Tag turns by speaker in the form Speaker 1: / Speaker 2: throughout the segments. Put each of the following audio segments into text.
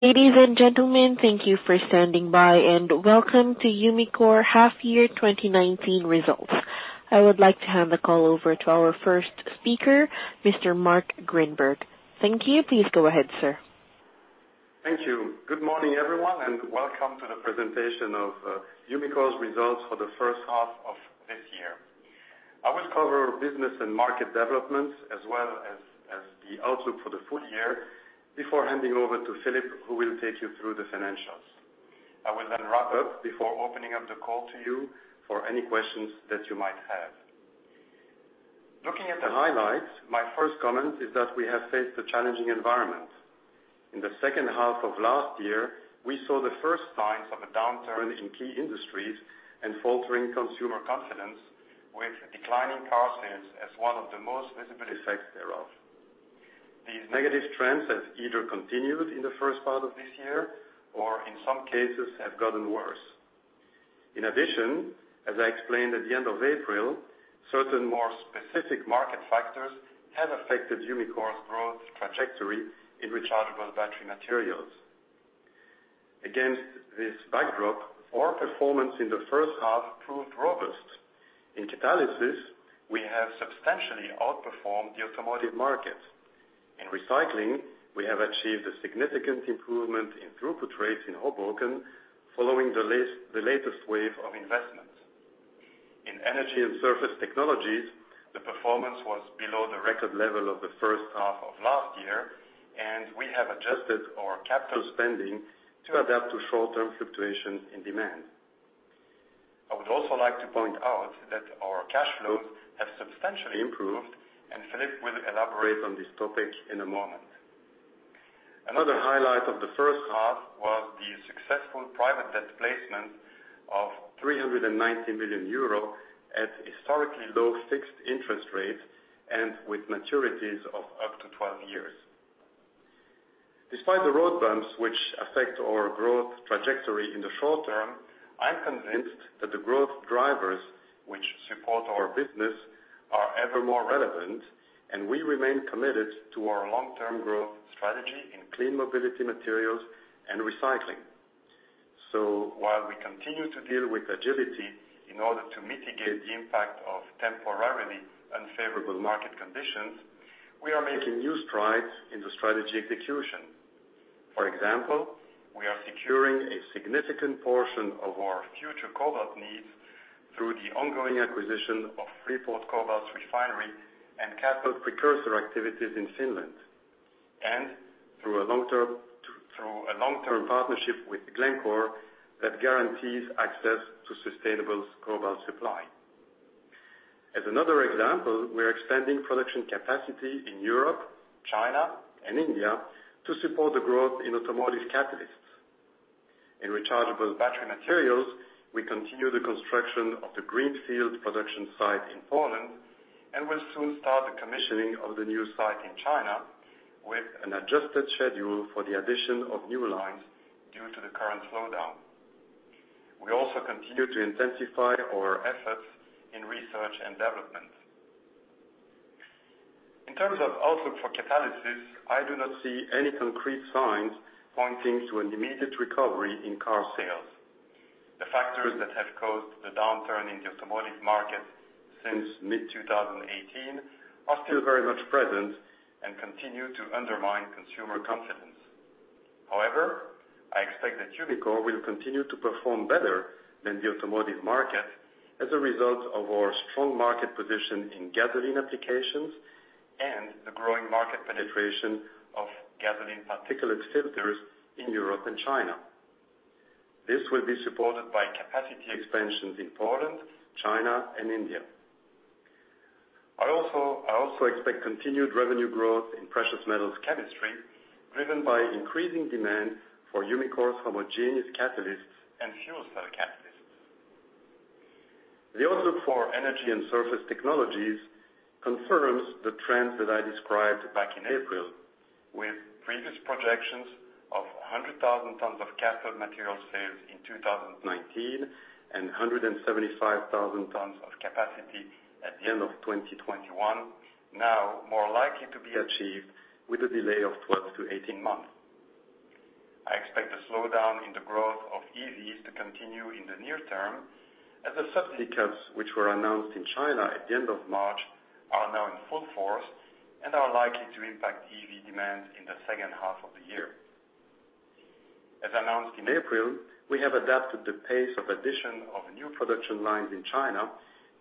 Speaker 1: Ladies and gentlemen, thank you for standing by, and welcome to Umicore Half Year 2019 Results. I would like to hand the call over to our first speaker, Mr. Marc Grynberg. Thank you. Please go ahead, sir.
Speaker 2: Thank you. Good morning, everyone, and welcome to the presentation of Umicore's results for the first half of this year. I will cover business and market developments, as well as the outlook for the full year before handing over to Filip, who will take you through the financials. I will wrap up before opening up the call to you for any questions that you might have. Looking at the highlights, my first comment is that we have faced a challenging environment. In the second half of last year, we saw the first signs of a downturn in key industries and faltering consumer confidence, with declining car sales as one of the most visible effects thereof. These negative trends have either continued in the first part of this year or in some cases, have gotten worse. As I explained at the end of April, certain more specific market factors have affected Umicore's growth trajectory in rechargeable battery materials. Against this backdrop, our performance in the first half proved robust. In catalysis, we have substantially outperformed the automotive market. In recycling, we have achieved a significant improvement in throughput rates in Hoboken following the latest wave of investments. In Energy & Surface Technologies, the performance was below the record level of the first half of last year, and we have adjusted our capital spending to adapt to short-term fluctuations in demand. I would also like to point out that our cash flows have substantially improved, and Filip will elaborate on this topic in a moment. Another highlight of the first half was the successful private debt placement of 390 million euro at historically low fixed interest rates and with maturities of up to 12 years. Despite the road bumps which affect our growth trajectory in the short term, I'm convinced that the growth drivers, which support our business, are ever more relevant and we remain committed to our long-term growth strategy in clean mobility materials and recycling. While we continue to deal with agility in order to mitigate the impact of temporarily unfavorable market conditions, we are making new strides in the strategy execution. For example, we are securing a significant portion of our future cobalt needs through the ongoing acquisition of Freeport Cobalt's refinery and cathode precursor activities in Finland, and through a long-term partnership with Glencore that guarantees access to sustainable cobalt supply. As another example, we're expanding production capacity in Europe, China, and India to support the growth in automotive catalysts. In rechargeable battery materials, we continue the construction of the greenfield production site in Poland and will soon start the commissioning of the new site in China with an adjusted schedule for the addition of new lines due to the current slowdown. We also continue to intensify our efforts in research and development. In terms of outlook for catalysis, I do not see any concrete signs pointing to an immediate recovery in car sales. The factors that have caused the downturn in the automotive market since mid-2018 are still very much present and continue to undermine consumer confidence. I expect that Umicore will continue to perform better than the automotive market as a result of our strong market position in gasoline applications and the growing market penetration of gasoline particulate filters in Europe and China. This will be supported by capacity expansions in Poland, China, and India. I also expect continued revenue growth in Precious Metals Chemistry, driven by increasing demand for Umicore's homogeneous catalysts and fuel cell catalysts. The outlook for Energy & Surface Technologies confirms the trends that I described back in April with previous projections of 100,000 tons of cathode material sales in 2019 and 175,000 tons of capacity at the end of 2021, now more likely to be achieved with a delay of 12-18 months. I expect the slowdown in the growth of EVs to continue in the near term, as the subsidy caps, which were announced in China at the end of March, are now in full force and are likely to impact EV demand in the second half of the year. As announced in April, we have adapted the pace of addition of new production lines in China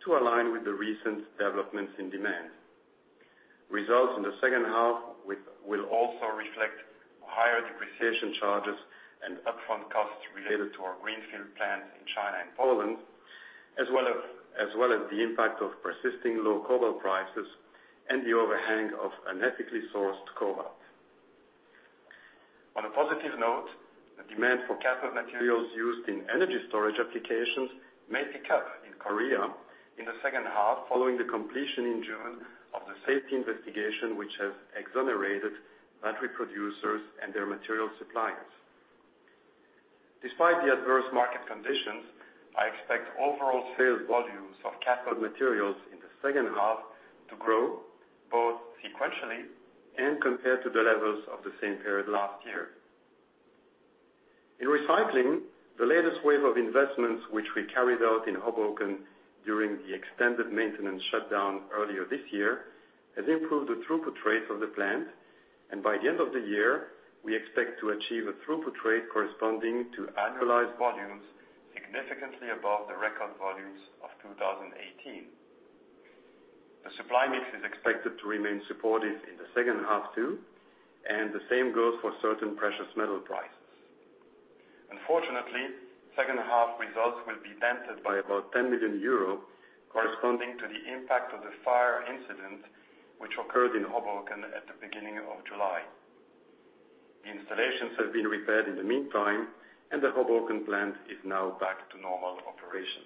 Speaker 2: to align with the recent developments in demand. Results in the second half will also reflect higher depreciation charges and upfront costs related to our greenfield plants in China and Poland, as well as the impact of persisting low cobalt prices and the overhang of unethically sourced cobalt. On a positive note, the demand for cathode materials used in energy storage applications may pick up in Korea in the second half, following the completion in June of the safety investigation, which has exonerated battery producers and their material suppliers. Despite the adverse market conditions, I expect overall sales volumes of cathode materials in the second half to grow both sequentially and compared to the levels of the same period last year. In recycling, the latest wave of investments, which we carried out in Hoboken during the extended maintenance shutdown earlier this year, has improved the throughput rates of the plant. By the end of the year, we expect to achieve a throughput rate corresponding to annualized volumes significantly above the record volumes of 2018. The supply mix is expected to remain supportive in the second half too, and the same goes for certain precious metal prices. Unfortunately, second half results will be dented by about 10 million euros, corresponding to the impact of the fire incident, which occurred in Hoboken at the beginning of July. The installations have been repaired in the meantime, and the Hoboken plant is now back to normal operations.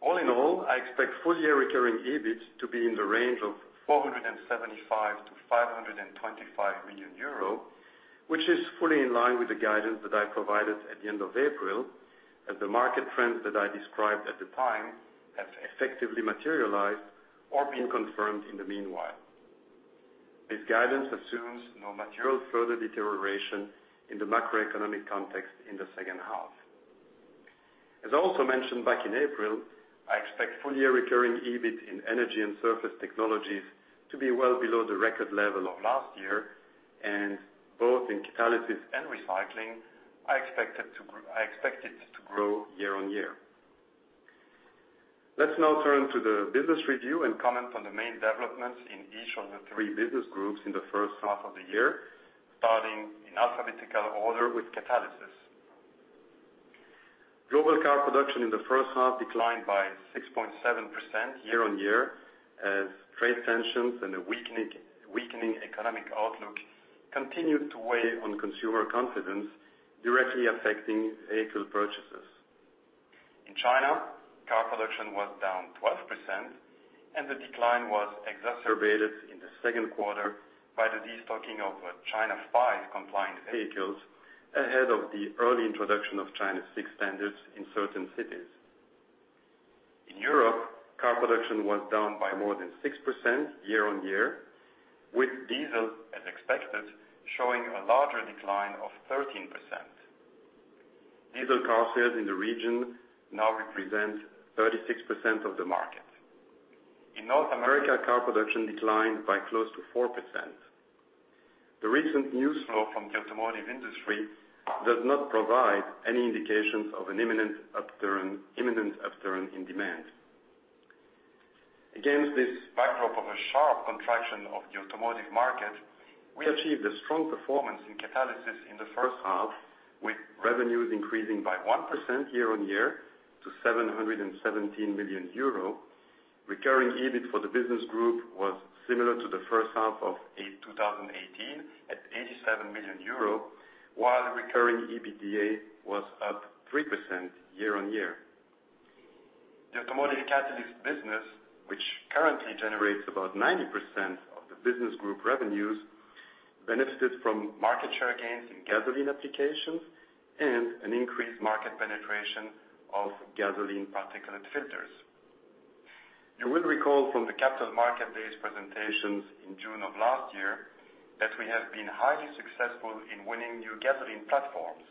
Speaker 2: All in all, I expect full-year recurring EBIT to be in the range of 475 million-525 million euro, which is fully in line with the guidance that I provided at the end of April as the market trends that I described at the time have effectively materialized or been confirmed in the meanwhile. This guidance assumes no material further deterioration in the macroeconomic context in the second half. As I also mentioned back in April, I expect full-year recurring EBIT in Energy & Surface Technologies to be well below the record level of last year, and both in catalysis and recycling, I expect it to grow year-on-year. Let's now turn to the business review and comment on the main developments in each of the three business groups in the first half of the year, starting in alphabetical order with catalysis. Global car production in the first half declined by 6.7% year-on-year as trade tensions and a weakening economic outlook continued to weigh on consumer confidence, directly affecting vehicle purchases. In China, car production was down 12%, and the decline was exacerbated in the second quarter by the destocking of China 5 compliant vehicles ahead of the early introduction of China 6 standards in certain cities. In Europe, car production was down by more than 6% year-on-year, with diesel, as expected, showing a larger decline of 13%. Diesel car sales in the region now represent 36% of the market. In North America, car production declined by close to 4%. The recent news flow from the automotive industry does not provide any indications of an imminent upturn in demand. Against this backdrop of a sharp contraction of the automotive market, we achieved a strong performance in catalysis in the first half, with revenues increasing by 1% year-on-year to €717 million. Recurring EBIT for the business group was similar to the first half of 2018 at 87 million euro, while recurring EBITDA was up 3% year-on-year. The automotive catalyst business, which currently generates about 90% of the business group revenues, benefited from market share gains in gasoline applications and an increased market penetration of gasoline particulate filters. You will recall from the Capital Markets Day's presentations in June of last year that we have been highly successful in winning new gasoline platforms,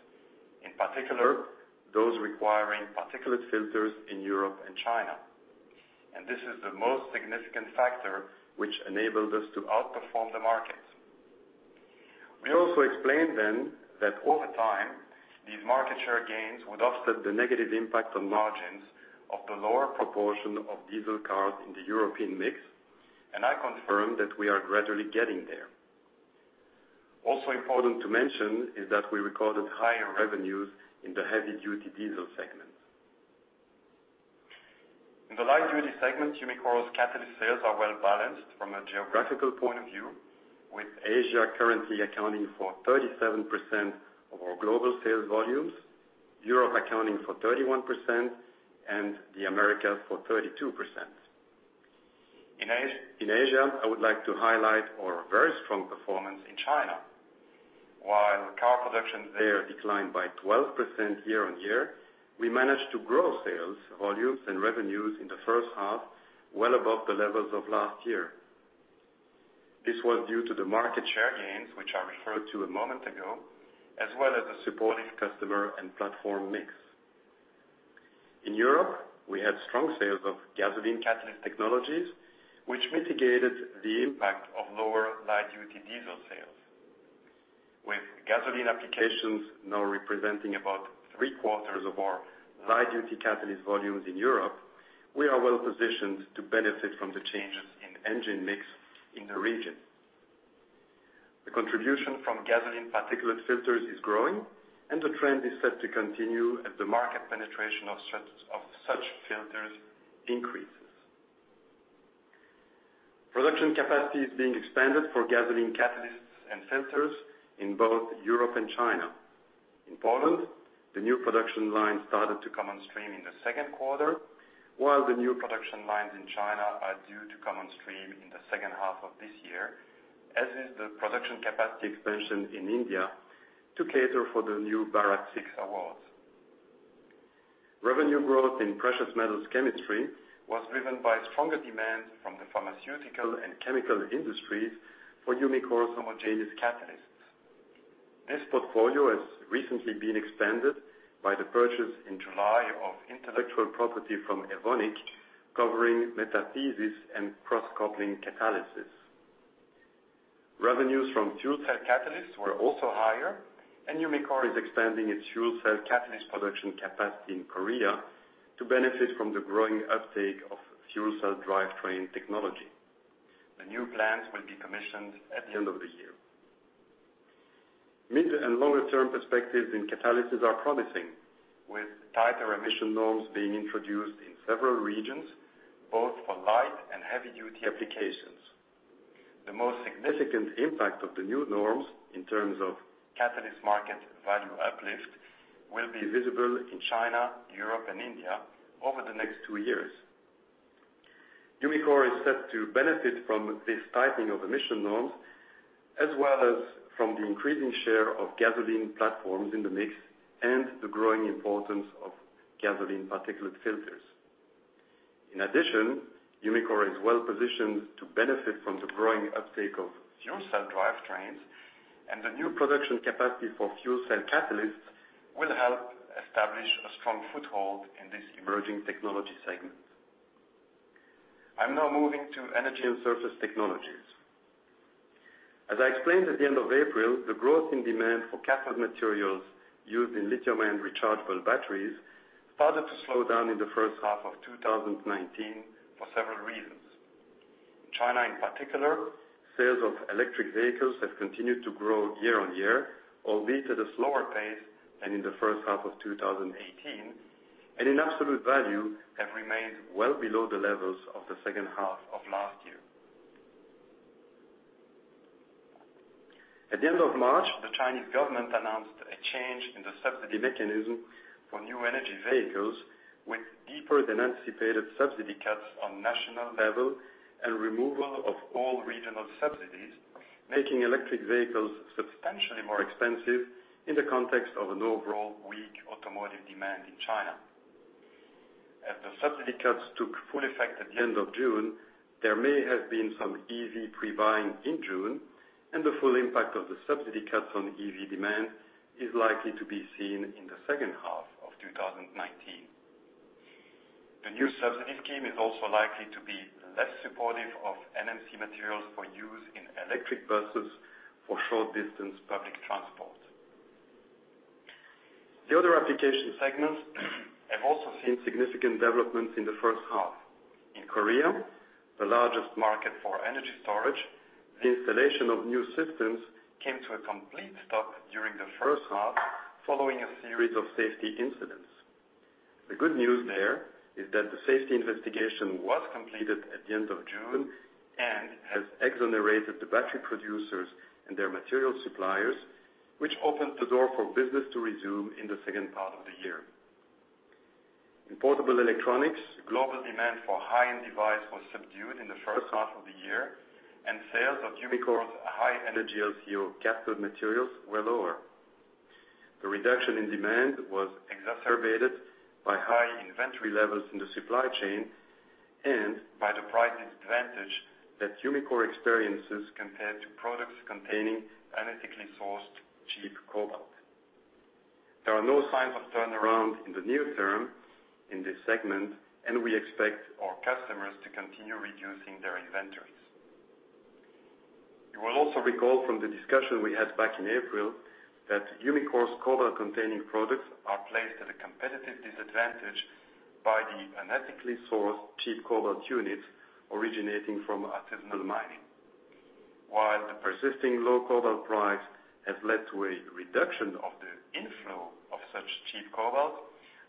Speaker 2: in particular, those requiring particulate filters in Europe and China. This is the most significant factor which enabled us to outperform the market. We also explained then that over time, these market share gains would offset the negative impact on margins of the lower proportion of diesel cars in the European mix, and I confirm that we are gradually getting there. Also important to mention is that we recorded higher revenues in the heavy-duty diesel segment. In the light-duty segment, Umicore's catalyst sales are well balanced from a geographical point of view, with Asia currently accounting for 37% of our global sales volumes, Europe accounting for 31%, and the Americas for 32%. In Asia, I would like to highlight our very strong performance in China. While car production there declined by 12% year-over-year, we managed to grow sales volumes and revenues in the first half, well above the levels of last year. This was due to the market share gains, which I referred to a moment ago, as well as a supportive customer and platform mix. In Europe, we had strong sales of gasoline catalyst technologies, which mitigated the impact of lower light-duty diesel sales. With gasoline applications now representing about three-quarters of our light-duty catalyst volumes in Europe, we are well positioned to benefit from the changes in engine mix in the region. The contribution from gasoline particulate filters is growing, and the trend is set to continue as the market penetration of such filters increases. Production capacity is being expanded for gasoline catalysts and sensors in both Europe and China. In Poland, the new production line started to come on stream in the second quarter, while the new production lines in China are due to come on stream in the second half of this year, as is the production capacity expansion in India to cater for the new Bharat VI awards. Revenue growth in Precious Metals Chemistry was driven by stronger demand from the pharmaceutical and chemical industries for Umicore's homogeneous catalysts. This portfolio has recently been expanded by the purchase in July of intellectual property from Evonik, covering metathesis and cross-coupling catalysis. Revenues from fuel cell catalysts were also higher, and Umicore is expanding its fuel cell catalyst production capacity in Korea to benefit from the growing uptake of fuel cell drivetrain technology. The new plants will be commissioned at the end of the year. Mid and longer-term perspectives in catalysis are promising, with tighter emission norms being introduced in several regions, both for light and heavy-duty applications. The most significant impact of the new norms in terms of catalyst market value uplift will be visible in China, Europe, and India over the next two years. Umicore is set to benefit from this tightening of emission norms, as well as from the increasing share of gasoline platforms in the mix and the growing importance of gasoline particulate filters. In addition, Umicore is well-positioned to benefit from the growing uptake of fuel cell drivetrains, and the new production capacity for fuel cell catalysts will help establish a strong foothold in this emerging technology segment. I'm now moving to Energy & Surface Technologies. As I explained at the end of April, the growth in demand for cathode materials used in lithium-ion rechargeable batteries started to slow down in the first half of 2019 for several reasons. In China in particular, sales of electric vehicles have continued to grow year-on-year, albeit at a slower pace than in the first half of 2018, and in absolute value have remained well below the levels of the second half of last year. At the end of March, the Chinese government announced a change in the subsidy mechanism for new energy vehicles with deeper than anticipated subsidy cuts on national level and removal of all regional subsidies, making electric vehicles substantially more expensive in the context of an overall weak automotive demand in China. As the subsidy cuts took full effect at the end of June, there may have been some EV pre-buying in June, and the full impact of the subsidy cuts on EV demand is likely to be seen in the second half of 2019. The new subsidy scheme is also likely to be less supportive of NMC materials for use in electric buses for short-distance public transport. The other application segments have also seen significant developments in the first half. In Korea, the largest market for energy storage, the installation of new systems came to a complete stop during the first half following a series of safety incidents. The good news there is that the safety investigation was completed at the end of June and has exonerated the battery producers and their material suppliers, which opens the door for business to resume in the second part of the year. In portable electronics, global demand for high-end device was subdued in the first half of the year, and sales of Umicore's high energy LCO cathode materials were lower. The reduction in demand was exacerbated by high inventory levels in the supply chain and by the price advantage that Umicore experiences compared to products containing unethically sourced cheap cobalt. There are no signs of turnaround in the near term in this segment, and we expect our customers to continue reducing their inventories. You will also recall from the discussion we had back in April that Umicore's cobalt-containing products are placed at a competitive disadvantage by the unethically sourced cheap cobalt units originating from artisanal mining. While the persisting low cobalt price has led to a reduction of the inflow of such cheap cobalt,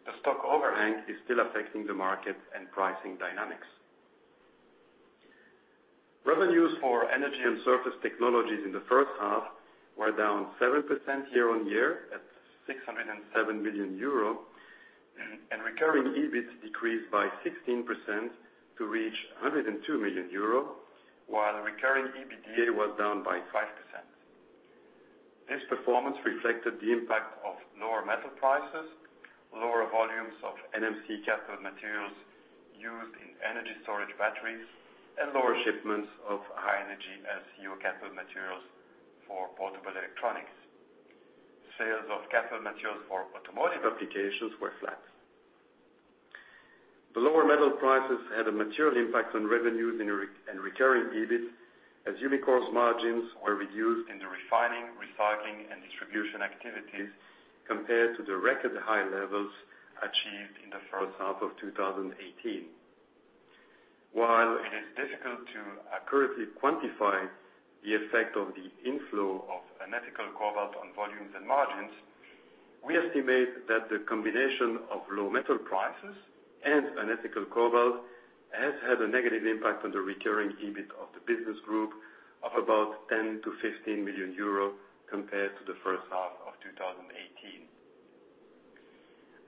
Speaker 2: the stock overhang is still affecting the market and pricing dynamics. Revenues for Energy & Surface Technologies in the first half were down 7% year-on-year at 607 million euro, and recurring EBIT decreased by 16% to reach 102 million euro, while recurring EBITDA was down by 5%. This performance reflected the impact of lower metal prices, lower volumes of NMC cathode materials used in energy storage batteries, and lower shipments of high-energy LCO cathode materials for portable electronics. Sales of cathode materials for automotive applications were flat. The lower metal prices had a material impact on revenues and recurring EBIT, as Umicore's margins were reduced in the refining, recycling, and distribution activities compared to the record high levels achieved in the first half of 2018. While it is difficult to accurately quantify the effect of the inflow of unethical cobalt on volumes and margins, we estimate that the combination of low metal prices and unethical cobalt has had a negative impact on the recurring EBIT of the business group of about 10 million-15 million euro compared to the first half of 2018.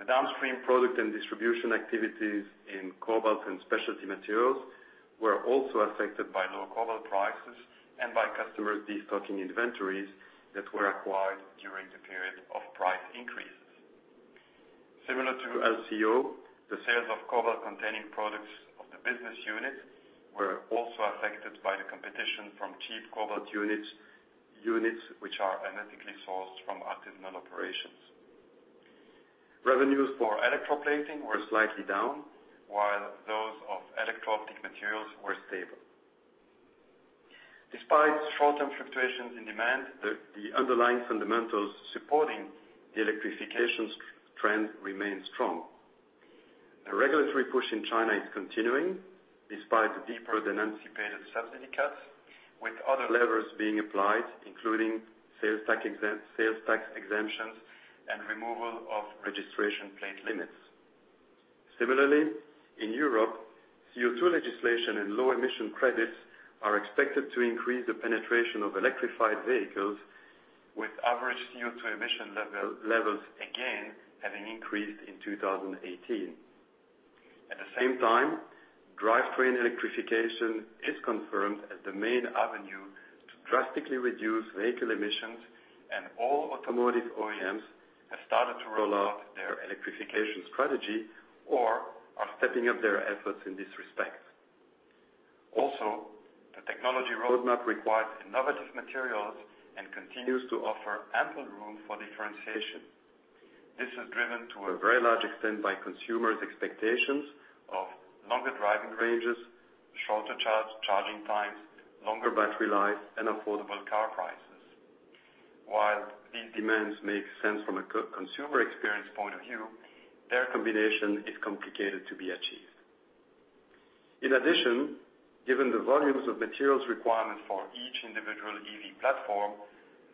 Speaker 2: The downstream product and distribution activities in cobalt and specialty materials were also affected by low cobalt prices and by customers destocking inventories that were acquired during the period of price increases. Similar to LCO, the sales of cobalt-containing products of the business unit were also affected by the competition from cheap cobalt units, which are unethically sourced from artisanal operations. Revenues for electroplating were slightly down, while those of electro-optic materials were stable. Despite short-term fluctuations in demand, the underlying fundamentals supporting the electrification trend remain strong. A regulatory push in China is continuing despite the deeper-than-anticipated subsidy cuts, with other levers being applied, including sales tax exemptions, and removal of registration plate limits. Similarly, in Europe, CO2 legislation and low emission credits are expected to increase the penetration of electrified vehicles with average CO2 emission levels, again, having increased in 2018. At the same time, drivetrain electrification is confirmed as the main avenue to drastically reduce vehicle emissions, and all automotive OEMs have started to roll out their electrification strategy or are stepping up their efforts in this respect. Also, the technology roadmap requires innovative materials and continues to offer ample room for differentiation. This is driven to a very large extent by consumers' expectations of longer driving ranges, shorter charging times, longer battery life, and affordable car prices. While these demands make sense from a consumer experience point of view, their combination is complicated to be achieved. In addition, given the volumes of materials required for each individual EV platform,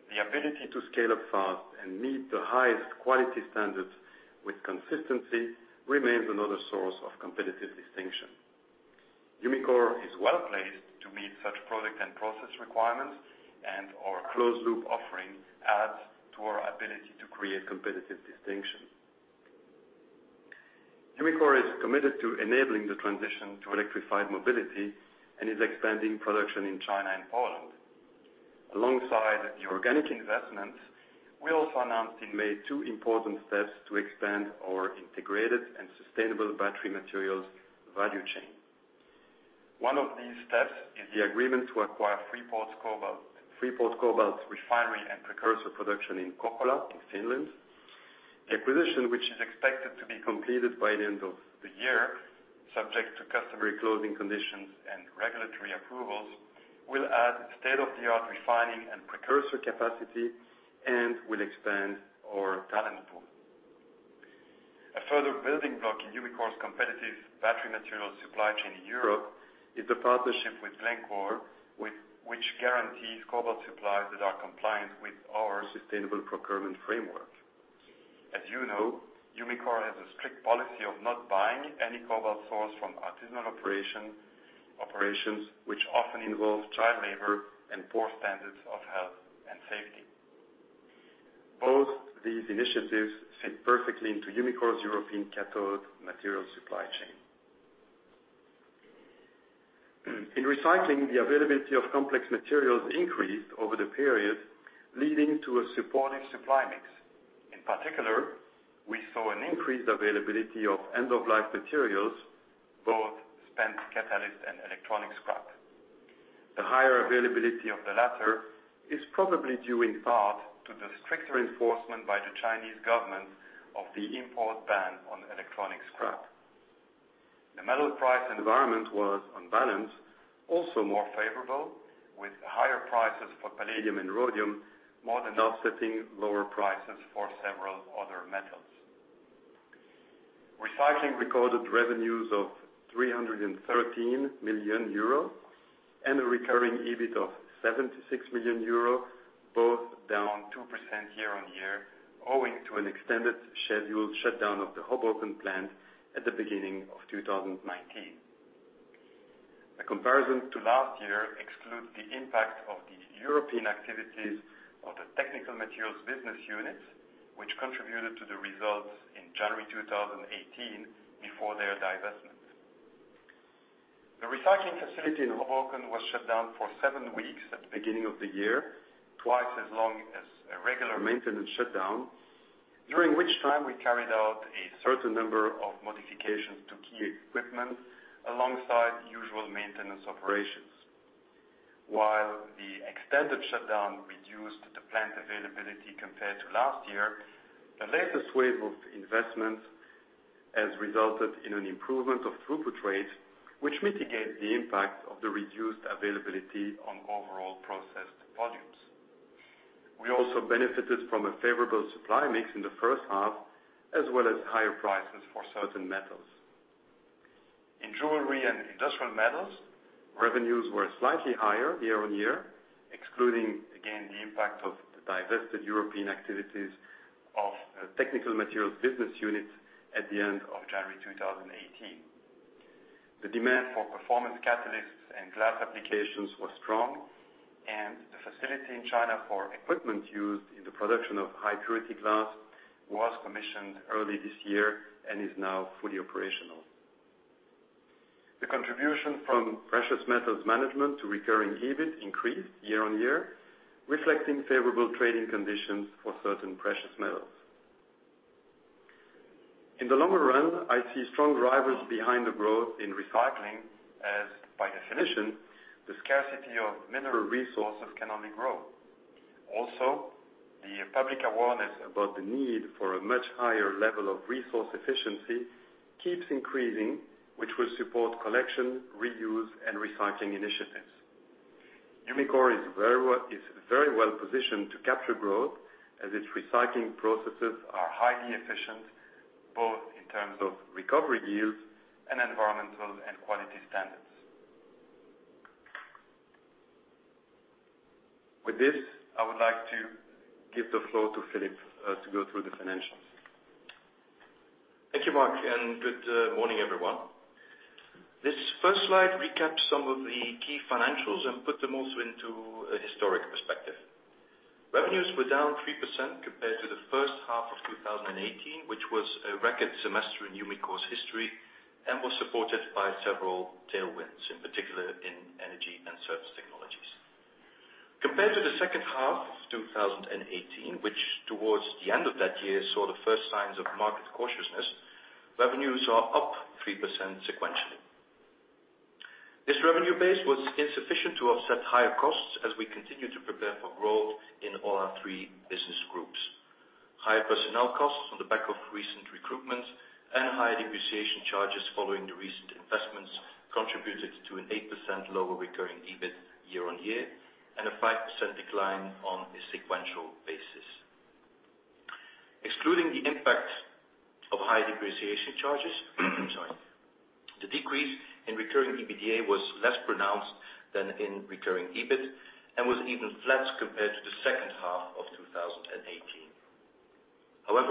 Speaker 2: the ability to scale up fast and meet the highest quality standards with consistency remains another source of competitive distinction. Umicore is well-placed to meet such product and process requirements, and our closed loop offering adds to our ability to create competitive distinction. Umicore is committed to enabling the transition to electrified mobility and is expanding production in China and Poland. Alongside the organic investments, we also announced in May two important steps to expand our integrated and sustainable battery materials value chain. One of these steps is the agreement to acquire Freeport Cobalt's refinery and precursor production in Kokkola in Finland. Acquisition, which is expected to be completed by the end of the year, subject to customary closing conditions and regulatory approvals, will add state-of-the-art refining and precursor capacity and will expand our talent pool. A further building block in Umicore's competitive battery materials supply chain in Europe is the partnership with Glencore, which guarantees cobalt supplies that are compliant with our sustainable procurement framework. As you know, Umicore has a strict policy of not buying any cobalt sourced from artisanal operations, which often involve child labor and poor standards of health and safety. Both these initiatives fit perfectly into Umicore's European cathode material supply chain. In recycling, the availability of complex materials increased over the period, leading to a supportive supply mix. In particular, we saw an increased availability of end-of-life materials, both spent catalyst and electronic scrap. The higher availability of the latter is probably due in part to the stricter enforcement by the Chinese government of the import ban on electronic scrap. The metal price environment was, on balance, also more favorable, with higher prices for palladium and rhodium more than offsetting lower prices for several other metals. Recycling recorded revenues of 313 million euro and a recurring EBIT of 76 million euro, both down 2% year-on-year owing to an extended scheduled shutdown of the Hoboken plant at the beginning of 2019. A comparison to last year excludes the impact of the European activities of the Technical Materials business unit, which contributed to the results in January 2018 before their divestment. The recycling facility in Hoboken was shut down for seven weeks at the beginning of the year, twice as long as a regular maintenance shutdown, during which time we carried out a certain number of modifications to key equipment alongside usual maintenance operations. While the extended shutdown reduced the plant availability compared to last year, the latest wave of investments has resulted in an improvement of throughput rates, which mitigate the impact of the reduced availability on overall processed volumes. We also benefited from a favorable supply mix in the first half, as well as higher prices for certain metals. In jewelry and industrial metals, revenues were slightly higher year-on-year, excluding, again, the impact of the divested European activities of Technical Materials business unit at the end of January 2018. The demand for performance catalysts and glass applications was strong, and the facility in China for equipment used in the production of high purity glass was commissioned early this year and is now fully operational. The contribution from Precious Metals Management to recurring EBIT increased year-on-year, reflecting favorable trading conditions for certain precious metals. In the longer run, I see strong drivers behind the growth in recycling as, by definition, the scarcity of mineral resources can only grow. Also, the public awareness about the need for a much higher level of resource efficiency keeps increasing, which will support collection, reuse, and recycling initiatives. Umicore is very well positioned to capture growth, as its recycling processes are highly efficient, both in terms of recovery yields and environmental and quality standards. With this, I would like to give the floor to Filip to go through the financials.
Speaker 3: Thank you, Marc. Good morning, everyone. This first slide recaps some of the key financials and put them also into a historic perspective. Revenues were down 3% compared to the first half of 2018, which was a record semester in Umicore's history and was supported by several tailwinds, in particular in Energy & Surface Technologies. Compared to the second half of 2018, which towards the end of that year saw the first signs of market cautiousness, revenues are up 3% sequentially. This revenue base was insufficient to offset higher costs as we continue to prepare for growth in all our three business groups. Higher personnel costs on the back of recent recruitment and higher depreciation charges following the recent investments contributed to an 8% lower recurring EBIT year-on-year and a 5% decline on a sequential-basis. Excluding the impact of high depreciation charges, the decrease in recurring EBITDA was less pronounced than in recurring EBIT and was even flat compared to the second half of 2018.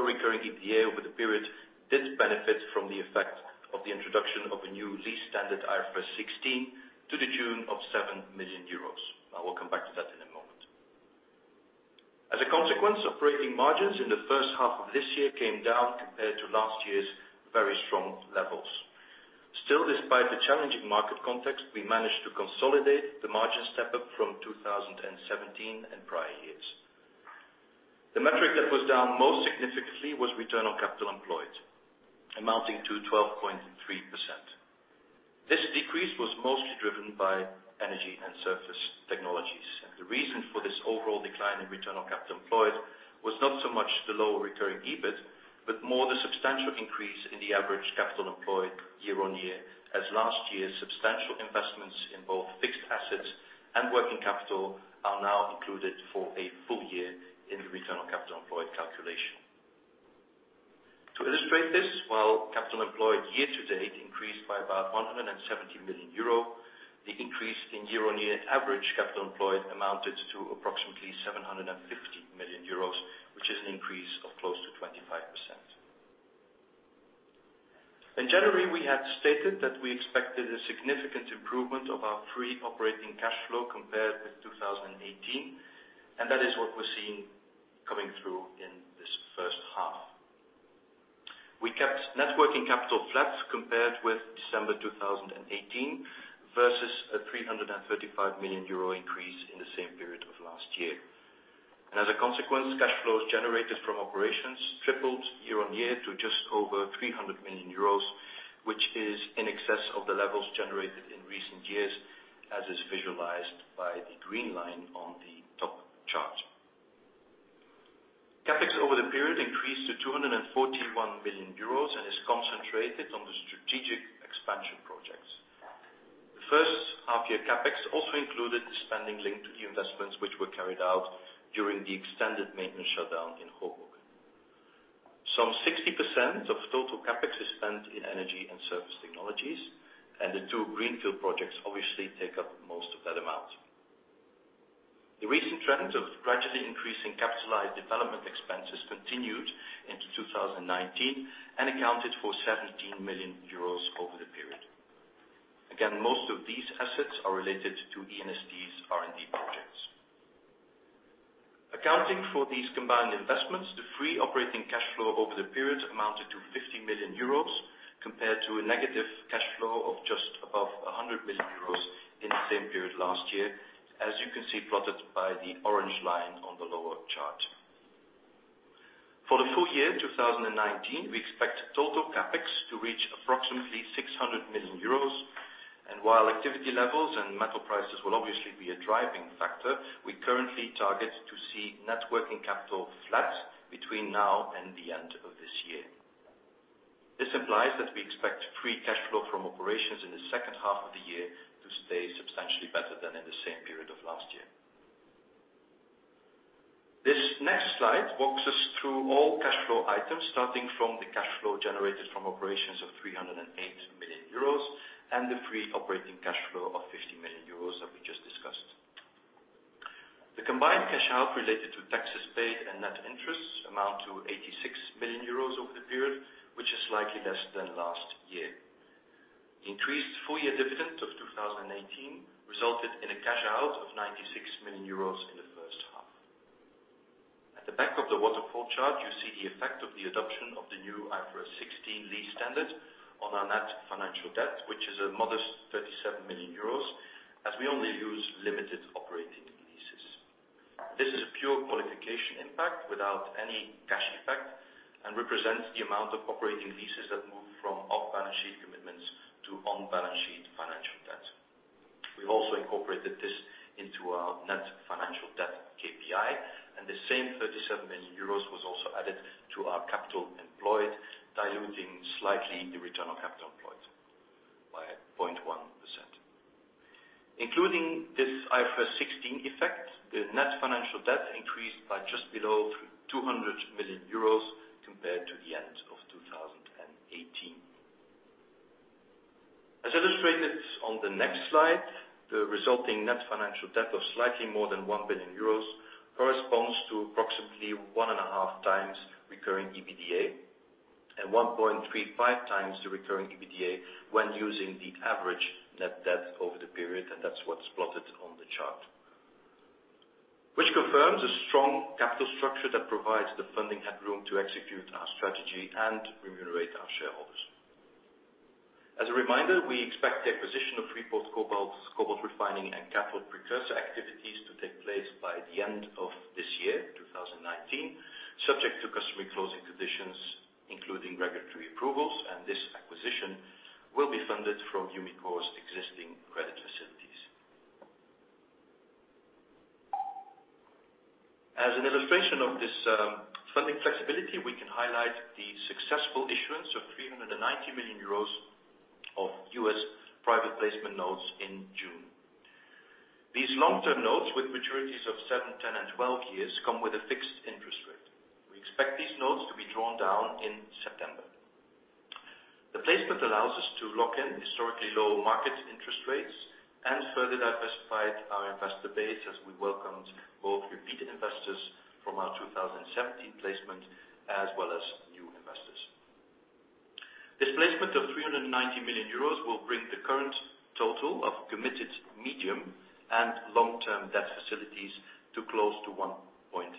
Speaker 3: Recurring EBITDA over the period did benefit from the effect of the introduction of a new lease standard, IFRS 16, to the tune of 7 million euros. I will come back to that in a moment. As a consequence of breaking margins in the first half of this year came down compared to last year's very strong levels. Despite the challenging market context, we managed to consolidate the margin step up from 2017 and prior years. The metric that was down most significantly was return on capital employed, amounting to 12.3%. This decrease was mostly driven by Energy & Surface Technologies. The reason for this overall decline in return on capital employed was not so much the lower recurring EBIT, but more the substantial increase in the average capital employed year-on-year, as last year's substantial investments in both fixed assets and working capital are now included for a full year in the return on capital employed calculation. To illustrate this, while capital employed year-to-date increased by about 170 million euro, the increase in year-on-year average capital employed amounted to approximately 750 million euros, which is an increase of close to 25%. In January, we had stated that we expected a significant improvement of our free operating cash flow compared with 2018, and that is what we're seeing coming through in this first half. We kept net working capital flat compared with December 2018 versus a 335 million euro increase in the same period of last year. As a consequence, cash flows generated from operations tripled year-on-year to just over 300 million euros, which is in excess of the levels generated in recent years, as is visualized by the green line on the top chart. CapEx over the period increased to 241 million euros and is concentrated on the strategic expansion projects. The first half-year CapEx also included the spending linked to the investments which were carried out during the extended maintenance shutdown in Hoboken. 60% of total CapEx is spent in Energy & Surface Technologies, and the two greenfield projects obviously take up most of that amount. The recent trend of gradually increasing capitalized development expenses continued into 2019 and accounted for 17 million euros over the period. Again, most of these assets are related to E&ST's R&D projects. Accounting for these combined investments, the free operating cash flow over the period amounted to 50 million euros compared to a negative cash flow of just above 100 million euros in the same period last year, as you can see plotted by the orange line on the lower chart. For the full year 2019, we expect total CapEx to reach approximately 600 million euros. While activity levels and metal prices will obviously be a driving factor, we currently target to see net working capital flat between now and the end of this year. This implies that we expect free cash flow from operations in the second half of the year to stay substantially better than in the same period of last year. This next slide walks us through all cash flow items, starting from the cash flow generated from operations of 308 million euros and the free operating cash flow of 50 million euros that we just discussed. The combined cash out related to taxes paid and net interest amount to 86 million euros over the period, which is slightly less than last year. Increased full-year dividend of 2018 resulted in a cash out of 96 million euros in the first half. At the back of the waterfall chart, you see the effect of the adoption of the new IFRS 16 lease standard on our net financial debt, which is a modest 37 million euros as we only use limited operating leases. This is a pure qualification impact without any cash effect and represents the amount of operating leases that move from off-balance-sheet commitments to on-balance-sheet financial debt. We've also incorporated this into our net financial debt KPI, and the same 37 million euros was also added to our capital employed, diluting slightly the return on capital employed by 0.1%. Including this IFRS 16 effect, the net financial debt increased by just below 200 million euros compared to the end of 2018. As illustrated on the next slide, the resulting net financial debt of slightly more than 1 billion euros corresponds to approximately one and a half times recurring EBITDA and 1.35 times the recurring EBITDA when using the average net debt over the period, and that's what's plotted on the chart. Which confirms a strong capital structure that provides the funding headroom to execute our strategy and remunerate our shareholders. As a reminder, we expect the acquisition of Freeport Cobalt, cobalt refining, and cathode precursor activities to take place by the end of this year, 2019, subject to customary closing conditions, including regulatory approvals, and this acquisition will be funded from Umicore's existing credit facilities. As an illustration of this funding flexibility, we can highlight the successful issuance of €390 million of U.S. private placement notes in June. These long-term notes with maturities of seven, 10, and 12 years come with a fixed interest rate. We expect these notes to be drawn down in September. The placement allows us to lock in historically low market interest rates and further diversified our investor base as we welcomed both repeat investors from our 2017 placement as well as new investors. This placement of 390 million euros will bring the current total of committed medium and long-term debt facilities to close to 1.9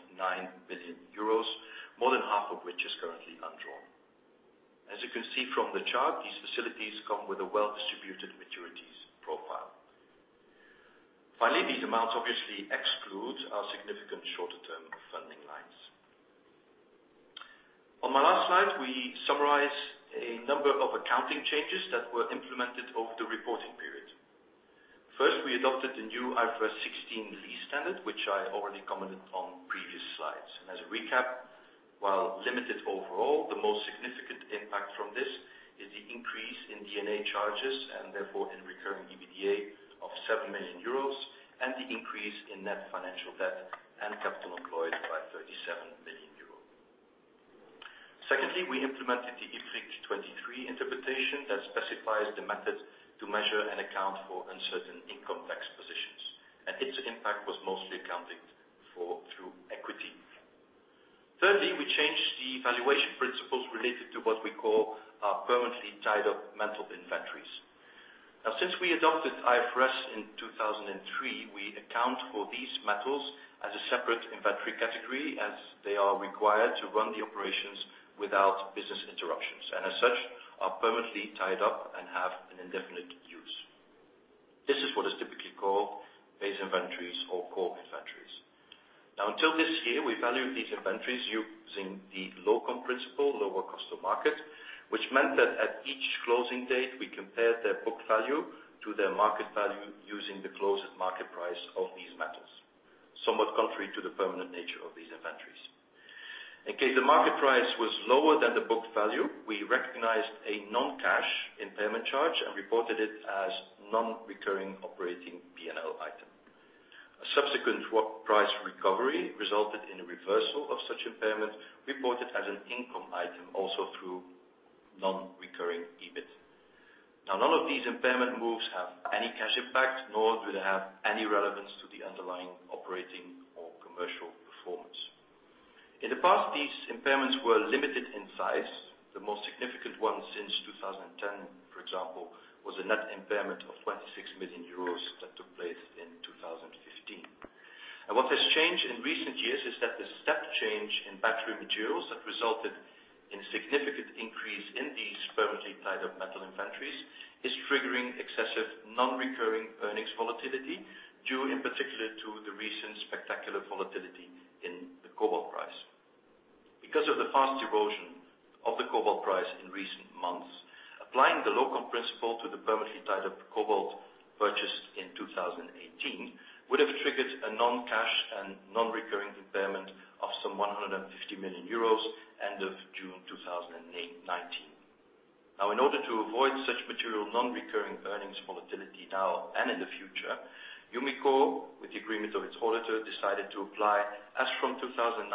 Speaker 3: billion euros, more than half of which is currently undrawn. As you can see from the chart, these facilities come with a well-distributed maturities profile. Finally, these amounts obviously exclude our significant shorter-term funding lines. On my last slide, we summarize a number of accounting changes that were implemented over the reporting period. First, we adopted the new IFRS 16 lease standard, which I already commented on previous slides. As a recap, while limited overall, the most significant impact from this is the increase in D&A charges and therefore in recurring EBITDA of 7 million euros and the increase in net financial debt and capital employed by 37 million euros. Secondly, we implemented the IFRIC 23 interpretation that specifies the method to measure and account for uncertain income tax positions, and its impact was mostly accounted for through equity. Thirdly, we changed the valuation principles related to what we call our permanently tied-up metal inventories. Since we adopted IFRS in 2003, we account for these metals as a separate inventory category as they are required to run the operations without business interruptions, and as such, are permanently tied up and have an indefinite use. This is what is typically called base inventories or core inventories. Until this year, we valued these inventories using the LOCOM principle, lower cost of market, which meant that at each closing date, we compared their book value to their market value using the closest market price of these metals, somewhat contrary to the permanent nature of these inventories. In case the market price was lower than the book value, we recognized a non-cash impairment charge and reported it as non-recurring operating P&L item. A subsequent price recovery resulted in a reversal of such impairment reported as an income item also through non-recurring EBIT. None of these impairment moves have any cash impact, nor do they have any relevance to the underlying operating or commercial performance. In the past, these impairments were limited in size. The most significant one since 2010, for example, was a net impairment of 26 million euros that took place in 2015. What has changed in recent years is that the step change in battery materials have resulted in a significant increase in these permanently tied-up metal inventories is triggering excessive non-recurring earnings volatility, due in particular to the recent spectacular volatility in the cobalt price. Because of the fast erosion of the cobalt price in recent months, applying the LOCOM principle to the permanently tied-up cobalt purchased in 2018 would have triggered a non-cash and non-recurring impairment of some €150 million end of June 2019. Now, in order to avoid such material non-recurring earnings volatility now and in the future, Umicore, with the agreement of its auditor, decided to apply as from 2019,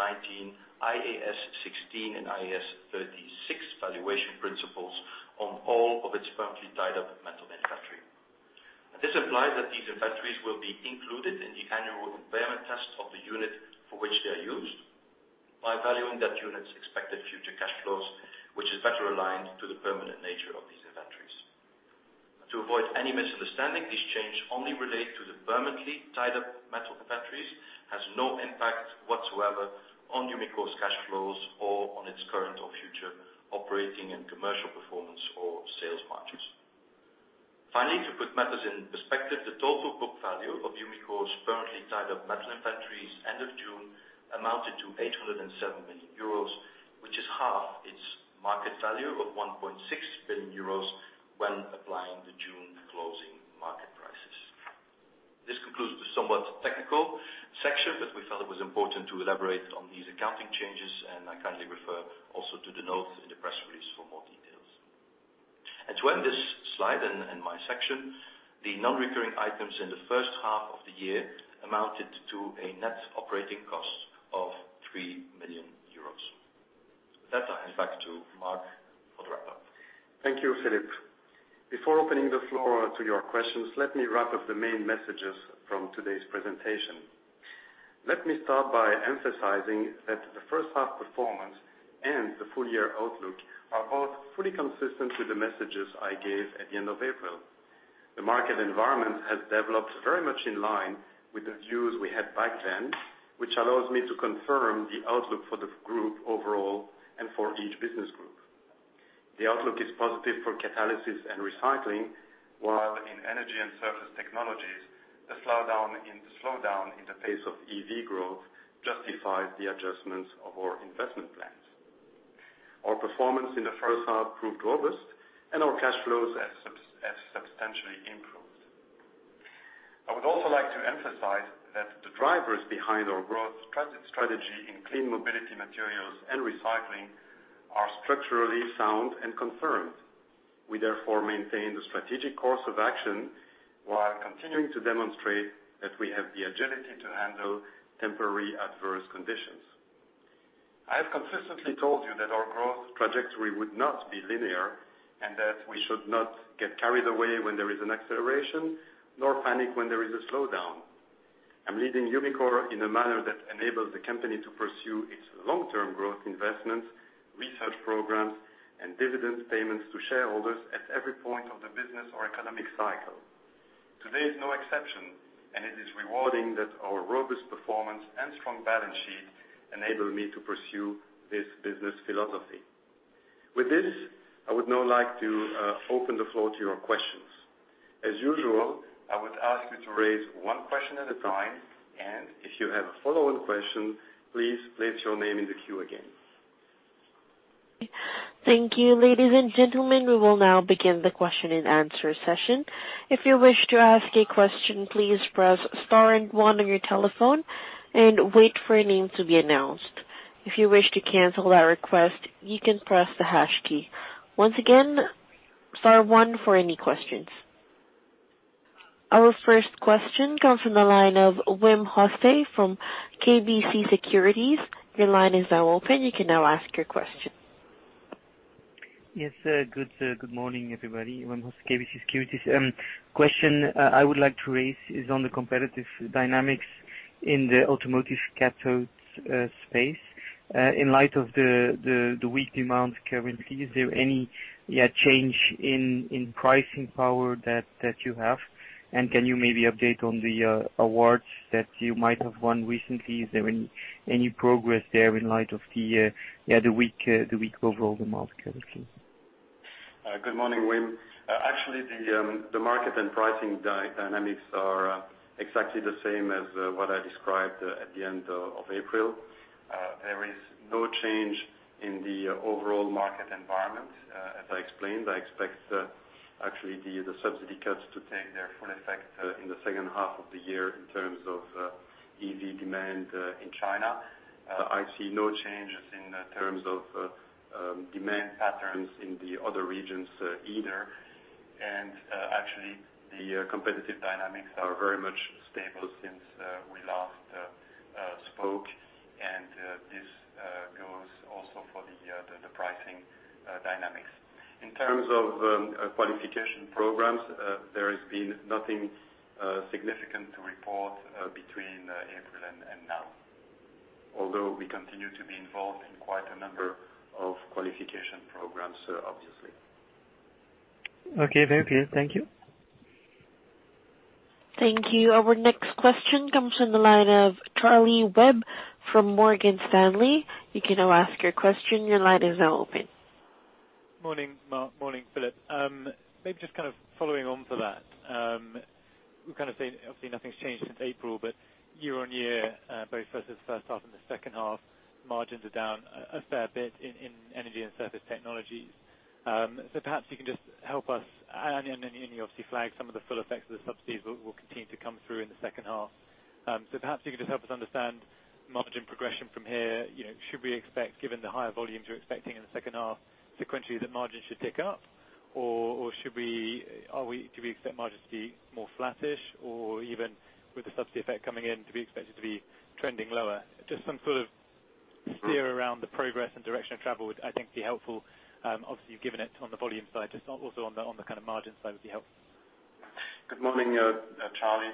Speaker 3: IAS 16 and IAS 36 valuation principles on all of its permanently tied-up metal inventory. This implies that these inventories will be included in the annual impairment test of the unit for which they are used by valuing that unit's expected future cash flows, which is better aligned to the permanent nature of these inventories. To avoid any misunderstanding, this change only relates to the permanently tied-up metal inventories, has no impact whatsoever on Umicore's cash flows or on its current or future operating and commercial performance or sales margins. To put matters in perspective, the total book value of Umicore's permanently tied-up metal inventories end of June amounted to 807 million euros, which is half its market value of 1.6 billion euros when applying the June closing market prices. This concludes the somewhat technical section, but we felt it was important to elaborate on these accounting changes, and I kindly refer also to the notes in the press release for more details. To end this slide and my section, the non-recurring items in the first half of the year amounted to a net operating cost of 3 million euros. With that, I hand back to Marc for the wrap-up.
Speaker 2: Thank you, Filip. Before opening the floor to your questions, let me wrap up the main messages from today's presentation. Let me start by emphasizing that the first half performance and the full-year outlook are both fully consistent with the messages I gave at the end of April. The market environment has developed very much in line with the views we had back then, which allows me to confirm the outlook for the group overall and for each business group. The outlook is positive for catalysis and recycling, while in Energy & Surface Technologies, the slowdown in the pace of EV growth justifies the adjustments of our investment plans. Our performance in the first half proved robust, and our cash flows have substantially improved. I would also like to emphasize that the drivers behind our growth strategy in clean mobility materials and recycling are structurally sound and confirmed. We therefore maintain the strategic course of action while continuing to demonstrate that we have the agility to handle temporary adverse conditions. I have consistently told you that our growth trajectory would not be linear, and that we should not get carried away when there is an acceleration, nor panic when there is a slowdown. I'm leading Umicore in a manner that enables the company to pursue its long-term growth investments, research programs, and dividend payments to shareholders at every point of the business or economic cycle. Today is no exception, and it is rewarding that our robust performance and strong balance sheet enable me to pursue this business philosophy. With this, I would now like to open the floor to your questions. As usual, I would ask you to raise one question at a time, and if you have a follow-on question, please place your name in the queue again.
Speaker 1: Thank you, ladies and gentlemen. We will now begin the question and answer session. If you wish to ask a question, please press star and one on your telephone and wait for a name to be announced. If you wish to cancel that request, you can press the hash key. Once again, star one for any questions. Our first question comes from the line of Wim Hoste from KBC Securities. Your line is now open. You can now ask your question.
Speaker 4: Yes, sir. Good morning, everybody. Wim Hoste, KBC Securities. Question I would like to raise is on the competitive dynamics in the automotive cathodes space. In light of the weak demand currently, is there any change in pricing power that you have? Can you maybe update on the awards that you might have won recently? Is there any progress there in light of the weak overall demand currently?
Speaker 2: Good morning, Wim. Actually, the market and pricing dynamics are exactly the same as what I described at the end of April. There is no change in the overall market environment. As I explained, I expect actually the subsidy cuts to take their full effect in the second half of the year in terms of EV demand in China. I see no changes in terms of demand patterns in the other regions either. Actually, the competitive dynamics are very much stable since we last spoke, and this goes also for the pricing dynamics. In terms of qualification programs, there has been nothing significant to report between April and now, although we continue to be involved in quite a number of qualification programs, obviously.
Speaker 4: Okay. Very clear. Thank you.
Speaker 1: Thank you. Our next question comes from the line of Charlie Webb from Morgan Stanley. You can now ask your question. Your line is now open.
Speaker 5: Morning, Marc. Morning, Filip. Maybe just kind of following on from that. We've kind of said, obviously, nothing's changed since April, but year-on-year, both versus first half and the second half, margins are down a fair bit in Energy & Surface Technologies. Perhaps you can just help us, and you obviously flagged some of the full effects of the subsidies will continue to come through in the second half. Perhaps you can just help us understand margin progression from here. Should we expect, given the higher volumes you're expecting in the second half sequentially, that margins should tick up? Or should we expect margins to be more flattish, or even with the subsidy effect coming in, to be expected to be trending lower? Just some sort of steer around the progress and direction of travel would, I think, be helpful. Obviously, you've given it on the volume side, just also on the kind of margin side would be helpful.
Speaker 2: Good morning, Charlie.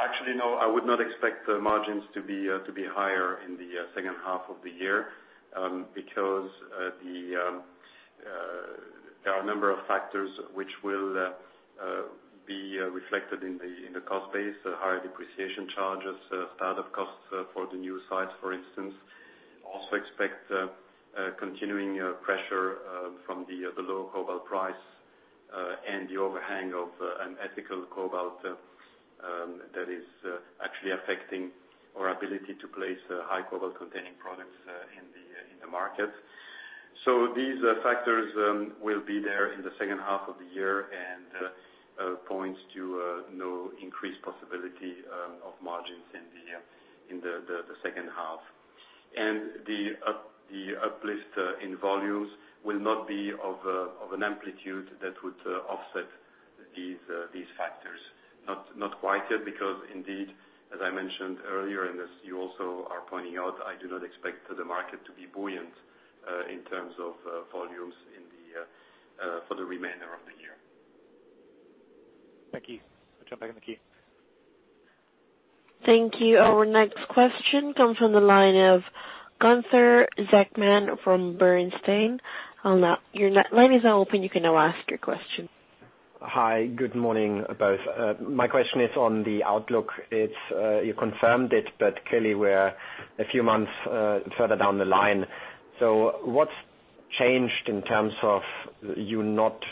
Speaker 2: Actually, no, I would not expect the margins to be higher in the second half of the year, because there are a number of factors which will be reflected in the cost base, higher depreciation charges, start of costs for the new sites, for instance. Also expect continuing pressure from the low cobalt price and the overhang of an ethical cobalt that is actually affecting our ability to place high cobalt-containing products in the market. These factors will be there in the second half of the year and points to no increased possibility of margins in the second half. The uplift in volumes will not be of an amplitude that would offset these factors. Not quite yet, because indeed, as I mentioned earlier, and as you also are pointing out, I do not expect the market to be buoyant in terms of volumes for the remainder of the year.
Speaker 5: Thank you. I'll jump back in the queue.
Speaker 1: Thank you. Our next question comes from the line of Gunther Zechmann from Bernstein. Your line is now open. You can now ask your question.
Speaker 6: Hi. Good morning, both. My question is on the outlook. You confirmed it, clearly we're a few months further down the line. What's changed in terms of you not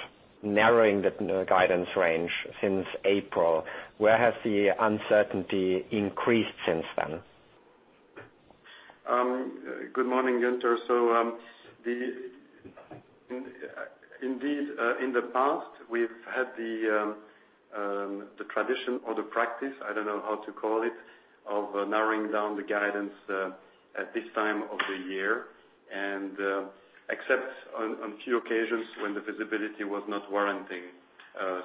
Speaker 6: narrowing the guidance range since April? Where has the uncertainty increased since then?
Speaker 2: Good morning, Gunther. Indeed, in the past, we've had the tradition or the practice, I don't know how to call it, of narrowing down the guidance at this time of the year and except on few occasions when the visibility was not warranting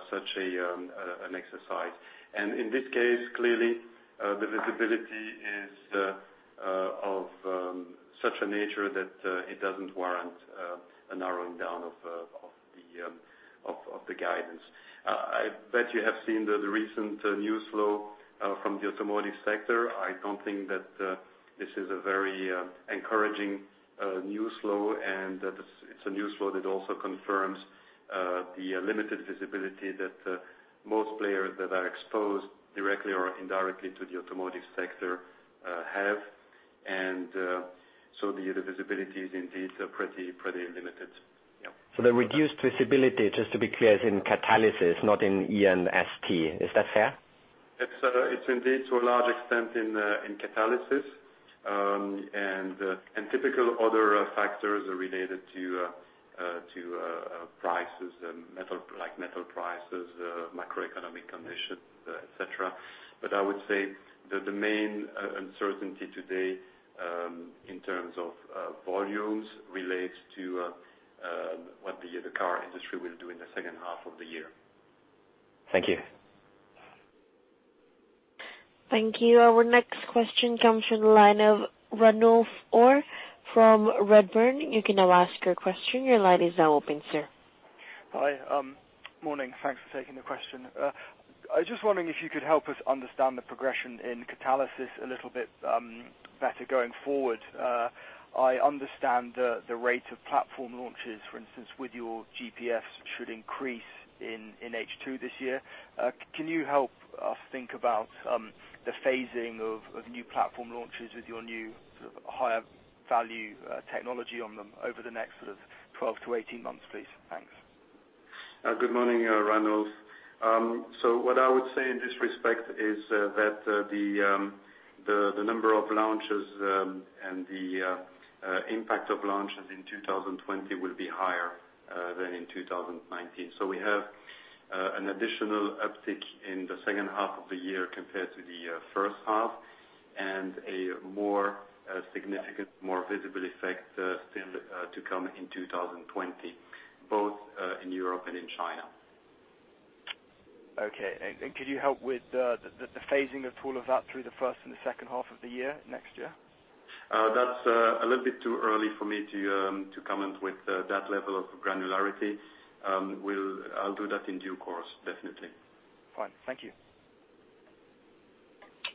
Speaker 2: such an exercise. In this case, clearly, the visibility is of such a nature that it doesn't warrant a narrowing down of the guidance. I bet you have seen the recent news flow from the automotive sector. I don't think that this is a very encouraging news flow, and it's a news flow that also confirms the limited visibility that most players that are exposed directly or indirectly to the automotive sector have. The visibility is indeed pretty limited. Yeah.
Speaker 6: The reduced visibility, just to be clear, is in catalysis, not in E&ST. Is that fair?
Speaker 2: It's indeed to a large extent in catalysis. Typical other factors related to prices, like metal prices, macroeconomic conditions, et cetera. I would say the main uncertainty today, in terms of volumes, relates to what the car industry will do in the second half of the year.
Speaker 6: Thank you.
Speaker 1: Thank you. Our next question comes from the line of Ranulf Orr from Redburn. You can now ask your question. Your line is now open, sir.
Speaker 7: Hi. Morning. Thanks for taking the question. I was just wondering if you could help us understand the progression in catalysis a little bit better going forward. I understand the rate of platform launches, for instance, with your GPF should increase in H2 this year. Can you help us think about the phasing of new platform launches with your new higher value technology on them over the next sort of 12 to 18 months, please? Thanks.
Speaker 2: Good morning, Ranulf. What I would say in this respect is that the number of launches and the impact of launches in 2020 will be higher than in 2019. We have an additional uptick in the second half of the year compared to the first half and a more significant, more visible effect still to come in 2020, both in Europe and in China.
Speaker 7: Okay. Could you help with the phasing of all of that through the first and the second half of the year next year?
Speaker 2: That's a little bit too early for me to comment with that level of granularity. I'll do that in due course, definitely.
Speaker 7: Fine. Thank you.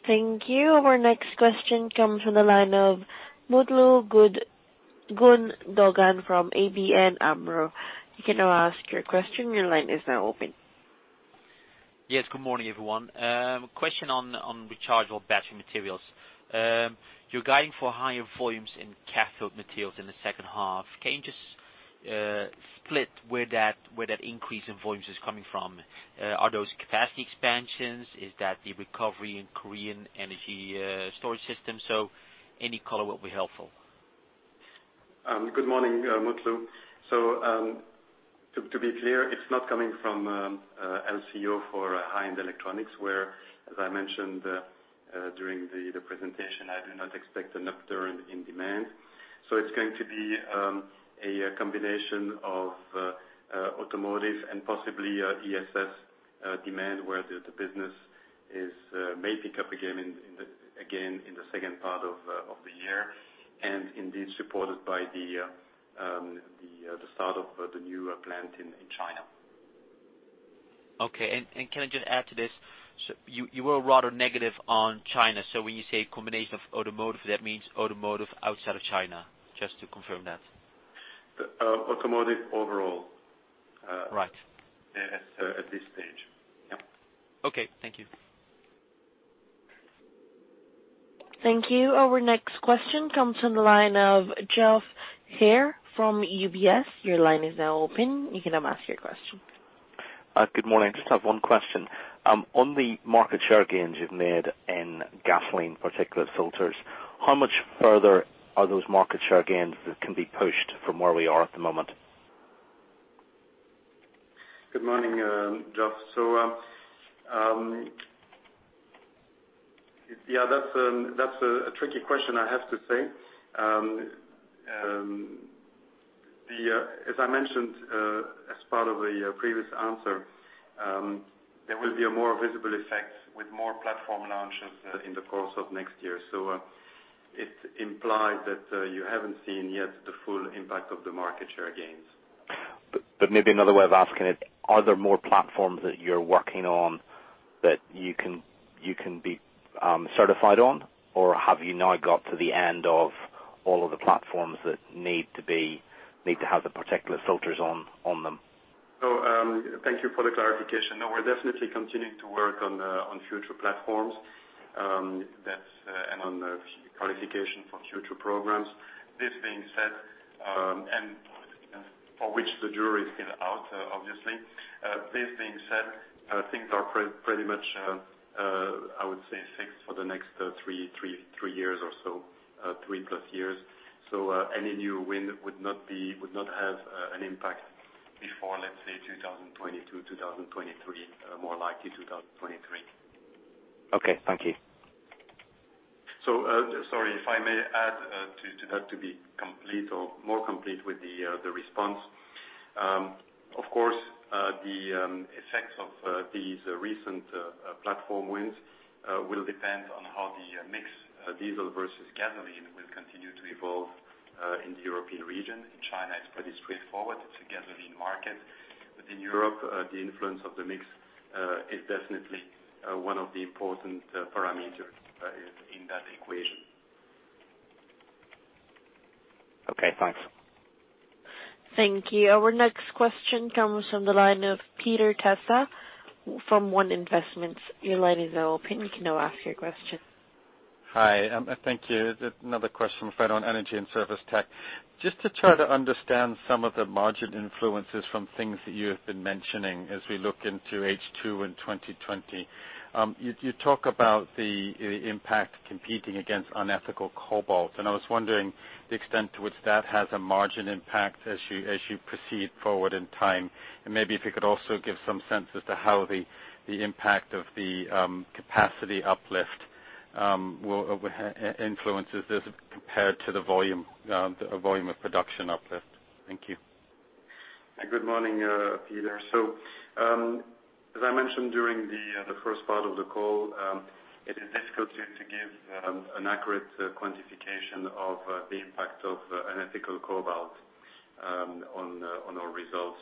Speaker 1: Thank you. Our next question comes from the line of Mutlu Gundogan from ABN AMRO. You can now ask your question. Your line is now open.
Speaker 8: Yes. Good morning, everyone. Question on rechargeable battery materials. You're guiding for higher volumes in cathode materials in the second half. Can you just split where that increase in volumes is coming from? Are those capacity expansions? Is that the recovery in Korean energy storage systems? Any color would be helpful.
Speaker 2: Good morning, Mutlu. To be clear, it's not coming from LCO for high-end electronics where, as I mentioned during the presentation, I do not expect an upturn in demand. It's going to be a combination of automotive and possibly ESS demand, where the business may pick up again in the second part of the year, and indeed supported by the start of the new plant in China.
Speaker 8: Okay. Can I just add to this? You were rather negative on China. When you say combination of automotive, that means automotive outside of China, just to confirm that.
Speaker 2: Automotive overall.
Speaker 8: Right.
Speaker 2: At this stage. Yep.
Speaker 8: Okay. Thank you.
Speaker 1: Thank you. Our next question comes from the line of Geoff Haire from UBS. Your line is now open. You can now ask your question.
Speaker 9: Good morning. I just have one question. On the market share gains you've made in gasoline particulate filters, how much further are those market share gains can be pushed from where we are at the moment?
Speaker 2: Good morning, Geoff. That's a tricky question, I have to say. As I mentioned, as part of a previous answer, there will be a more visible effect with more platform launches in the course of next year. It implies that you haven't seen yet the full impact of the market share gains.
Speaker 9: Maybe another way of asking it, are there more platforms that you're working on that you can be certified on? Have you now got to the end of all of the platforms that need to have the particulate filters on them?
Speaker 2: Thank you for the clarification. We're definitely continuing to work on future platforms, and on qualification for future programs. This being said and for which the jury is still out, obviously. This being said, things are pretty much, I would say, fixed for the next three years or so, three-plus years. Any new win would not have an impact before, let's say, 2022, 2023. More likely 2023.
Speaker 9: Okay. Thank you.
Speaker 2: Sorry, if I may add to that to be complete or more complete with the response. Of course, the effects of these recent platform wins will depend on how the mix diesel versus gasoline will continue to evolve in the European region. In China, it's pretty straightforward. It's a gasoline market. In Europe, the influence of the mix is definitely one of the important parameters in that equation.
Speaker 9: Okay, thanks.
Speaker 1: Thank you. Our next question comes from the line of Peter Testa from One Investments. Your line is now open. You can now ask your question.
Speaker 10: Hi. Thank you. Another question from Fed on Energy and Service Tech. Just to try to understand some of the margin influences from things that you have been mentioning as we look into H2 and 2020. I was wondering the extent to which that has a margin impact as you proceed forward in time. Maybe if you could also give some sense as to how the impact of the capacity uplift will influence this compared to the volume of production uplift. Thank you.
Speaker 2: Good morning, Peter. As I mentioned during the first part of the call, it is difficult to give an accurate quantification of the impact of unethical cobalt on our results.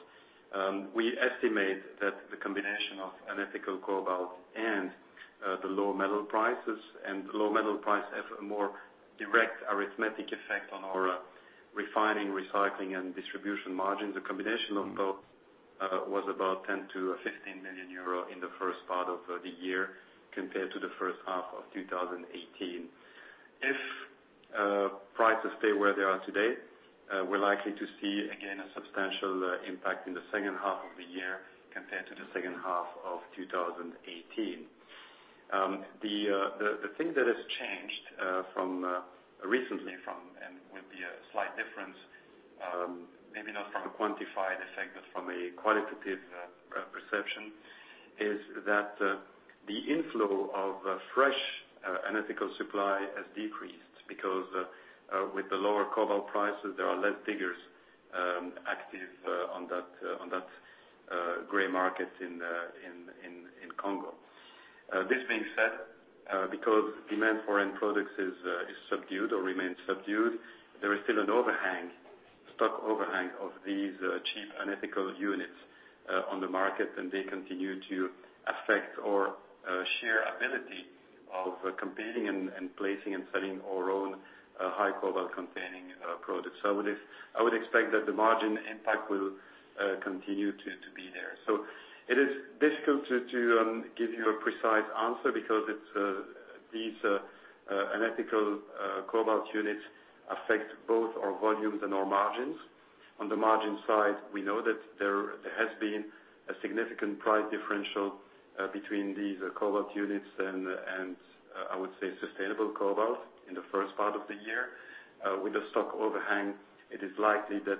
Speaker 2: We estimate that the combination of unethical cobalt and the low metal prices, and the low metal price has a more direct arithmetic effect on our refining, recycling, and distribution margins. The combination of both was about 10 million-15 million euro in the first part of the year compared to the first half of 2018. If prices stay where they are today, we're likely to see, again, a substantial impact in the second half of the year compared to the second half of 2018. The thing that has changed recently, and with the slight difference, maybe not from a quantified effect but from a qualitative perception, is that the inflow of fresh unethical supply has decreased because with the lower cobalt prices, there are less diggers active on that gray market in Congo. This being said, because demand for end products is subdued or remains subdued, there is still a stock overhang of these cheap unethical units on the market. They continue to affect our sheer ability of competing and placing and selling our own high cobalt-containing products. I would expect that the margin impact will continue to be there. It is difficult to give you a precise answer because these unethical cobalt units affect both our volumes and our margins. On the margin side, we know that there has been a significant price differential between these cobalt units and, I would say, sustainable cobalt in the first part of the year. With the stock overhang, it is likely that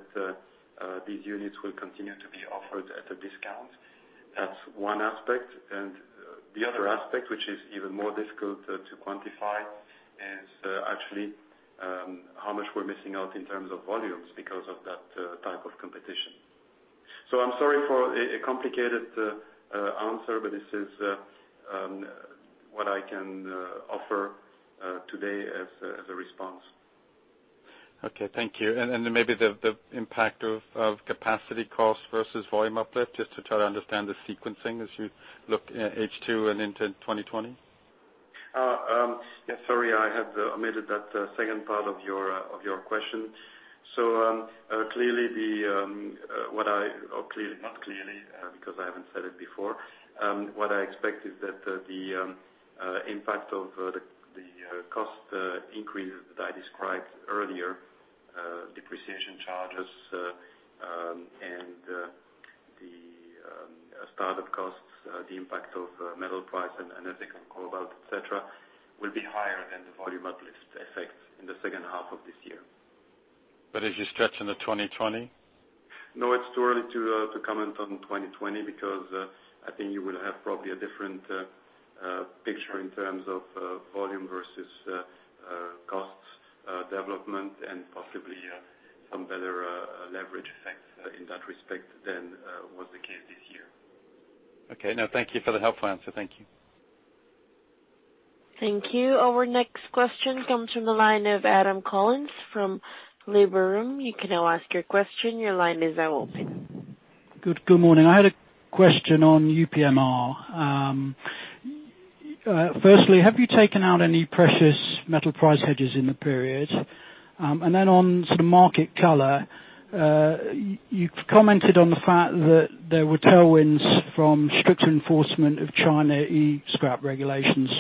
Speaker 2: these units will continue to be offered at a discount. That's one aspect. The other aspect, which is even more difficult to quantify, is actually how much we're missing out in terms of volumes because of that type of competition. I'm sorry for a complicated answer, but this is what I can offer today as a response.
Speaker 10: Okay. Thank you. Maybe the impact of capacity cost versus volume uplift, just to try to understand the sequencing as you look H2 and into 2020.
Speaker 2: Yes, sorry, I had omitted that second part of your question. Clearly, or not clearly, because I haven't said it before, what I expect is that the impact of the cost increases that I described earlier, depreciation charges, and the startup costs, the impact of metal price and ethical cobalt, et cetera, will be higher than the volume uplift effect in the second half of this year.
Speaker 10: As you stretch into 2020?
Speaker 2: No, it's too early to comment on 2020 because I think you will have probably a different picture in terms of volume versus costs development and possibly some better leverage effects in that respect than was the case this year.
Speaker 10: Okay. No, thank you for the helpful answer. Thank you.
Speaker 1: Thank you. Our next question comes from the line of Adam Collins from Liberum. You can now ask your question. Your line is now open.
Speaker 11: Good morning. I had a question on UPMR. Firstly, have you taken out any precious metal price hedges in the period? On sort of market color, you've commented on the fact that there were tailwinds from stricter enforcement of China e-scrap regulations.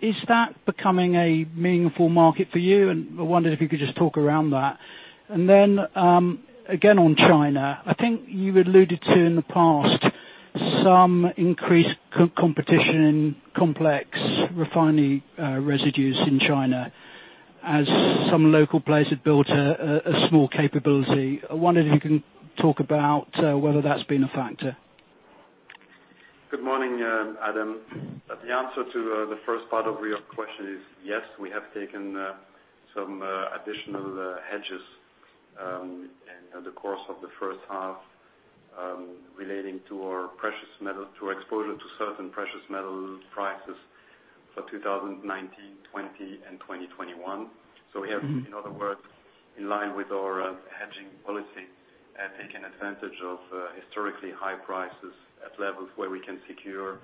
Speaker 11: Is that becoming a meaningful market for you? I wondered if you could just talk around that. Again on China, I think you alluded to in the past some increased competition in complex refinery residues in China as some local players had built a small capability. I wondered if you can talk about whether that's been a factor.
Speaker 2: Good morning Adam. The answer to the first part of your question is yes, we have taken some additional hedges in the course of the first half relating to our exposure to certain precious metal prices for 2019, 2020, and 2021. We have, in other words, in line with our hedging policy, taken advantage of historically high prices at levels where we can secure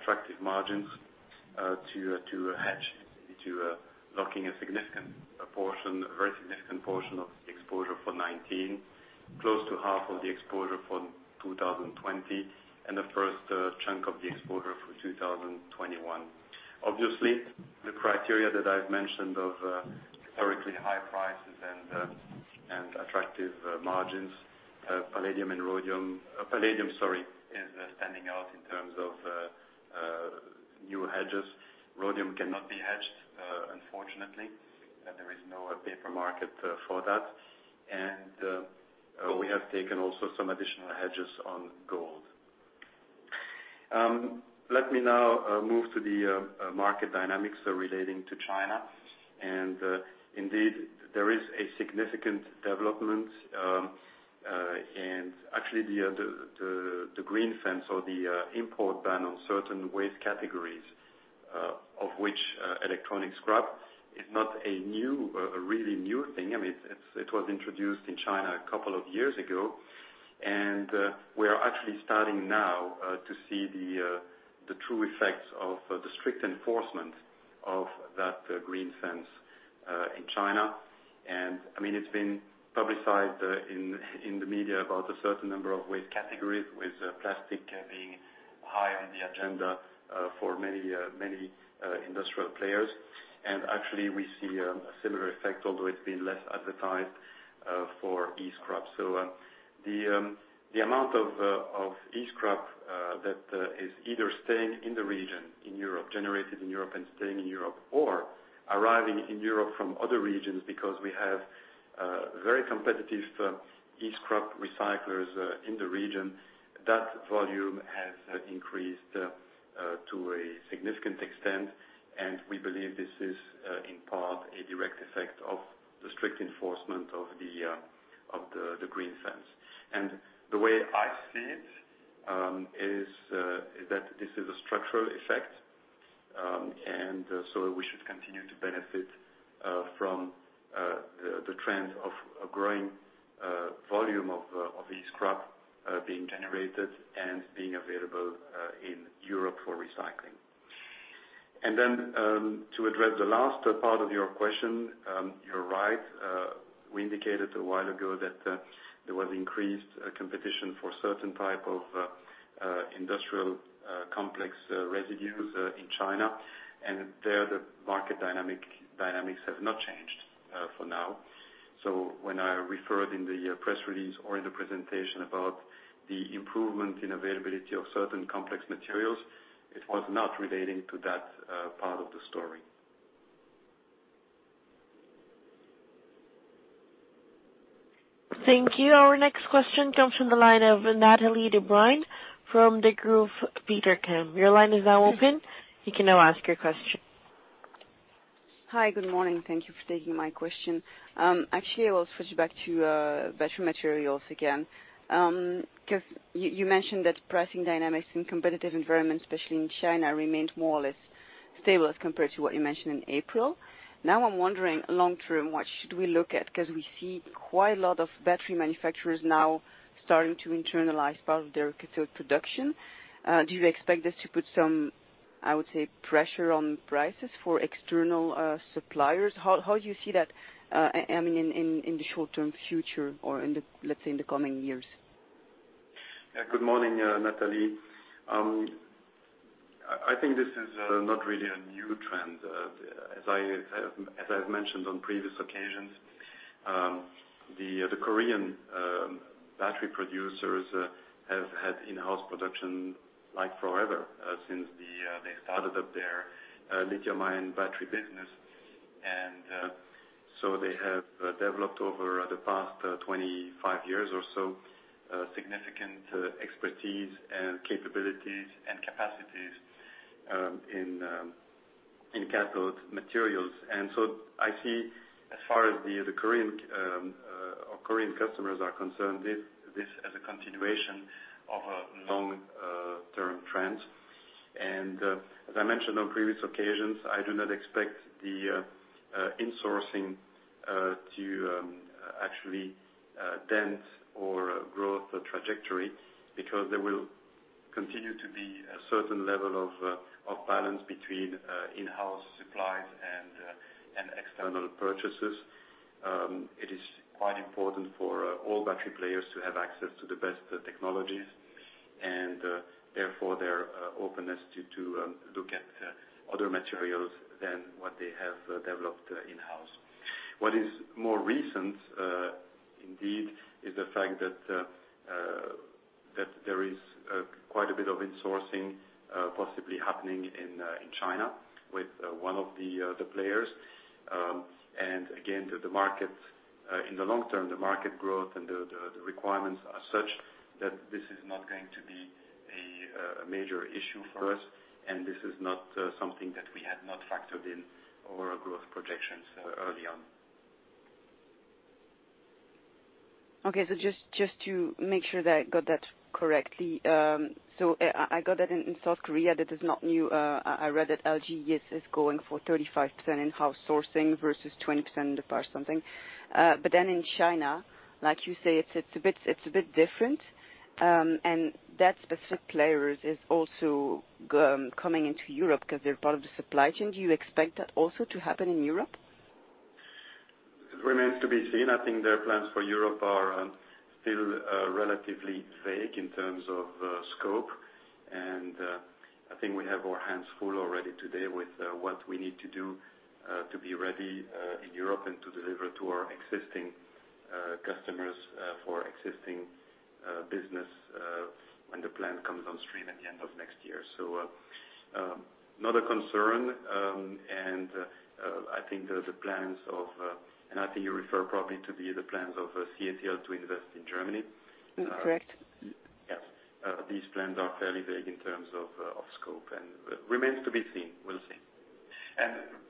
Speaker 2: attractive margins to hedge into locking a very significant portion of the exposure for 2019, close to half of the exposure for 2020, and the first chunk of the exposure for 2021. Obviously, the criteria that I've mentioned of historically high prices and attractive margins, palladium is standing out in terms of new hedges. Rhodium cannot be hedged, unfortunately. There is no paper market for that. We have taken also some additional hedges on gold. Let me now move to the market dynamics relating to China, and indeed, there is a significant development. Actually, the Green Fence or the import ban on certain waste categories, of which electronic scrap is not a really new thing. I mean, it was introduced in China a couple of years ago. We are actually starting now to see the true effects of the strict enforcement of that Green Fence in China. It's been publicized in the media about a certain number of waste categories, with plastic being high on the agenda for many industrial players. Actually, we see a similar effect, although it's been less advertised, for e-scrap. The amount of e-scrap that is either staying in the region, in Europe, generated in Europe and staying in Europe, or arriving in Europe from other regions because we have very competitive e-scrap recyclers in the region, that volume has increased to a significant extent, and we believe this is, in part, a direct effect of the strict enforcement of the Green Fence. The way I see it is that this is a structural effect, so we should continue to benefit from the trend of a growing volume of e-scrap being generated and being available in Europe for recycling. To address the last part of your question, you're right. We indicated a while ago that there was increased competition for certain type of industrial complex residues in China, and there the market dynamics have not changed for now. When I referred in the press release or in the presentation about the improvement in availability of certain complex materials, it was not relating to that part of the story.
Speaker 1: Thank you. Our next question comes from the line of Nathalie Debruyne from Degroof Petercam. Your line is now open. You can now ask your question.
Speaker 12: Hi, good morning. Thank you for taking my question. Actually, I will switch back to battery materials again. You mentioned that pricing dynamics in competitive environments, especially in China, remained more or less stable as compared to what you mentioned in April. Now I'm wondering long-term, what should we look at? We see quite a lot of battery manufacturers now starting to internalize part of their cathode production. Do you expect this to put some, I would say, pressure on prices for external suppliers? How do you see that in the short-term future or let's say in the coming years?
Speaker 2: Good morning, Nathalie. I think this is not really a new trend. As I've mentioned on previous occasions, the Korean battery producers have had in-house production like forever, since they started up their lithium-ion battery business. They have developed over the past 25 years or so, significant expertise and capabilities and capacities in cathode materials. I see as far as the Korean customers are concerned, this as a continuation of a long-term trend. As I mentioned on previous occasions, I do not expect the insourcing to actually dent our growth trajectory because there will continue to be a certain level of balance between in-house supplies and external purchases. It is quite important for all battery players to have access to the best technologies and therefore their openness to look at other materials than what they have developed in-house. What is more recent indeed, is the fact that there is quite a bit of insourcing possibly happening in China with one of the players. Again, in the long term, the market growth and the requirements are such that this is not going to be a major issue for us, and this is not something that we had not factored in our growth projections early on.
Speaker 12: Okay. Just to make sure that I got that correctly. I got that in South Korea, that is not new. I read that LG, yes, is going for 35% in-house sourcing versus 20% or something. In China, like you say, it's a bit different. That specific players is also coming into Europe because they're part of the supply chain. Do you expect that also to happen in Europe?
Speaker 2: It remains to be seen. I think their plans for Europe are still relatively vague in terms of scope, and I think we have our hands full already today with what we need to do, to be ready in Europe and to deliver to our existing customers, for existing business when the plan comes on stream at the end of next year. Not a concern, and I think you refer probably to the plans of CATL to invest in Germany.
Speaker 12: That's correct.
Speaker 2: Yes. These plans are fairly vague in terms of scope and remains to be seen. We'll see.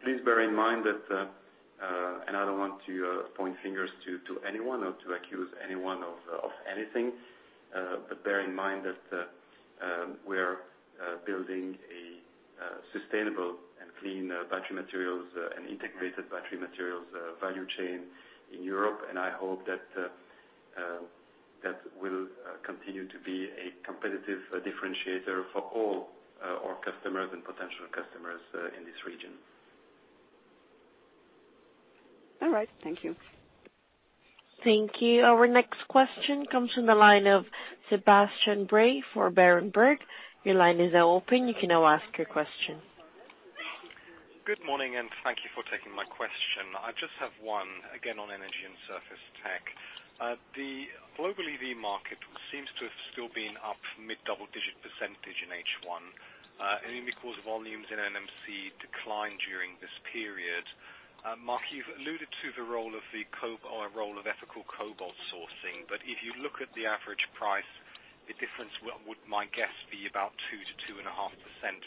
Speaker 2: Please bear in mind that, and I don't want to point fingers to anyone or to accuse anyone of anything, but bear in mind that we are building a sustainable and clean battery materials and integrated battery materials value chain in Europe. I hope that will continue to be a competitive differentiator for all our customers and potential customers in this region.
Speaker 12: All right. Thank you.
Speaker 1: Thank you. Our next question comes from the line of Sebastian Bray for Berenberg. Your line is now open. You can now ask your question.
Speaker 13: Good morning, and thank you for taking my question. I just have one again on Energy and Surface Tech. The global EV market seems to have still been up mid-double digit % in H1 because volumes in NMC declined during this period. Marc, you've alluded to the role of ethical cobalt sourcing, if you look at the average price, the difference would my guess be about 2%-2.5%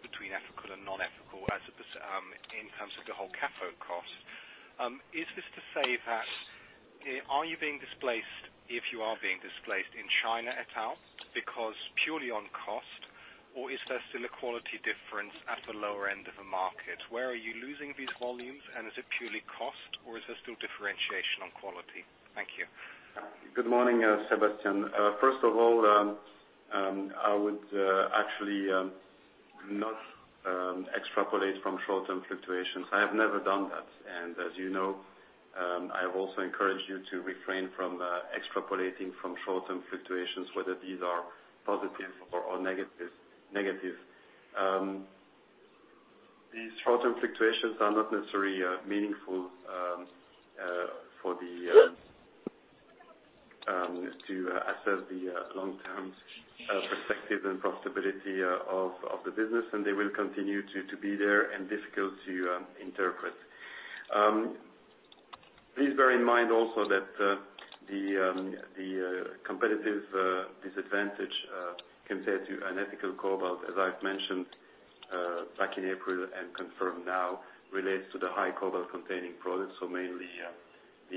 Speaker 13: between ethical and non-ethical in terms of the whole cathode cost. Is this to say that, are you being displaced if you are being displaced in China at all because purely on cost, or is there still a quality difference at the lower end of the market? Where are you losing these volumes, and is it purely cost, or is there still differentiation on quality? Thank you.
Speaker 2: Good morning, Sebastian. First of all, I would actually not extrapolate from short-term fluctuations. I have never done that. As you know, I have also encouraged you to refrain from extrapolating from short-term fluctuations, whether these are positive or negative. These short-term fluctuations are not necessarily meaningful to assess the long-term perspective and profitability of the business. They will continue to be there and difficult to interpret. Please bear in mind also that the competitive disadvantage compared to an ethical cobalt, as I've mentioned back in April and confirm now, relates to the high cobalt containing products. Mainly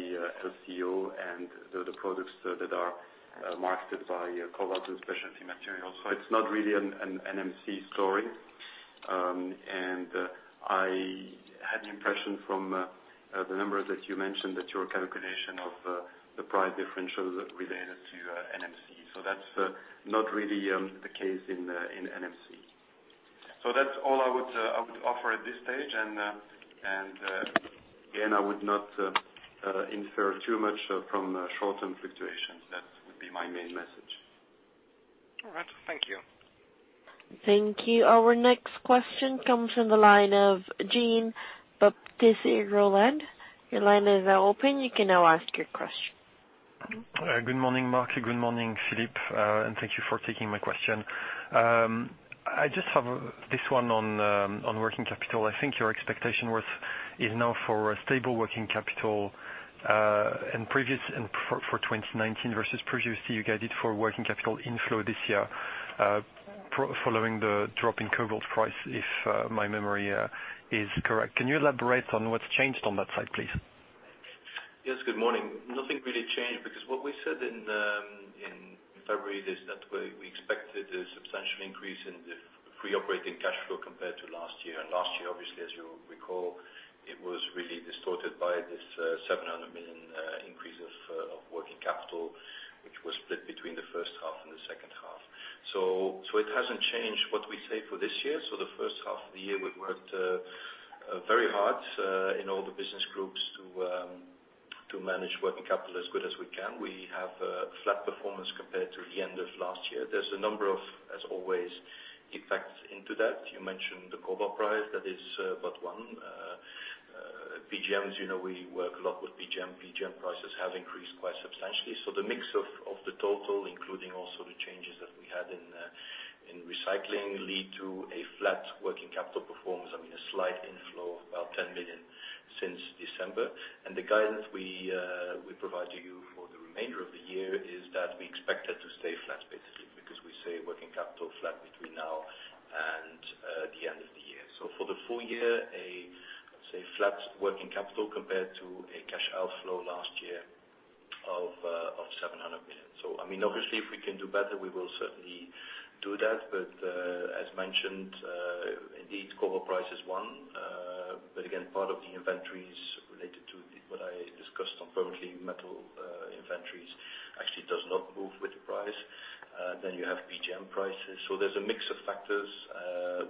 Speaker 2: the LCO and the other products that are marketed by Cobalt and Specialty Materials. It's not really an NMC story. I had the impression from the number that you mentioned that your calculation of the price differential related to NMC. That's not really the case in NMC. That's all I would offer at this stage, and again, I would not infer too much from short-term fluctuations. That would be my main message.
Speaker 13: All right. Thank you.
Speaker 1: Thank you. Our next question comes from the line of Jean-Baptiste Rolland. Your line is now open. You can now ask your question.
Speaker 14: Good morning, Marc. Good morning, Filip. Thank you for taking my question. I just have this one on working capital. I think your expectation is now for a stable working capital for 2019 versus previously you guided for working capital inflow this year following the drop in cobalt price, if my memory is correct. Can you elaborate on what's changed on that side, please?
Speaker 2: Yes. Good morning. Nothing really changed because what we said in February is that we expected a substantial increase in the free operating cash flow compared to last year. Last year, obviously, as you recall, it was really distorted by this 700 million increase of working capital, which was split between the first half and the second half. It hasn't changed what we say for this year. The first half of the year, we worked very hard in all the business groups to manage working capital as good as we can. We have a flat performance compared to the end of last year. There's a number of, as always, effects into that. You mentioned the cobalt price. That is but one. PGMs, we work a lot with PGM. PGM prices have increased quite substantially. The mix of the total, including also the changes that we had in recycling, led to a flat working capital performance. I mean, a slight inflow of about 10 million since December. The guidance we provide to you for the remainder of the year is that we expect it to stay flat, basically, because we say working capital flat between now and the end of the year. For the full year, let's say flat working capital compared to a cash outflow last year of 700 million. Obviously, if we can do better, we will certainly do that. As mentioned, indeed, cobalt price is one. Again, part of the inventories related to what I discussed on permanently metal inventories actually does not move with the price. You have PGM prices. There's a mix of factors.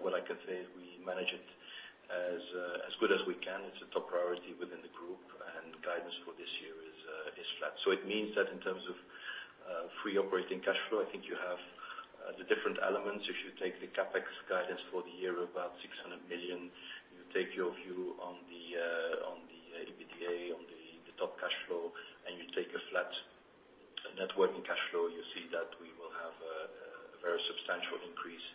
Speaker 2: What I can say is we manage it as good as we can. It's a top priority within the group, and guidance for this year is flat. It means that in terms of free operating cash flow, I think you have the different elements. If you take the CapEx guidance for the year, about 600 million, you take your view on the EBITDA, on the top cash flow, and you take a flat net working cash flow, you see that we will have a very substantial increase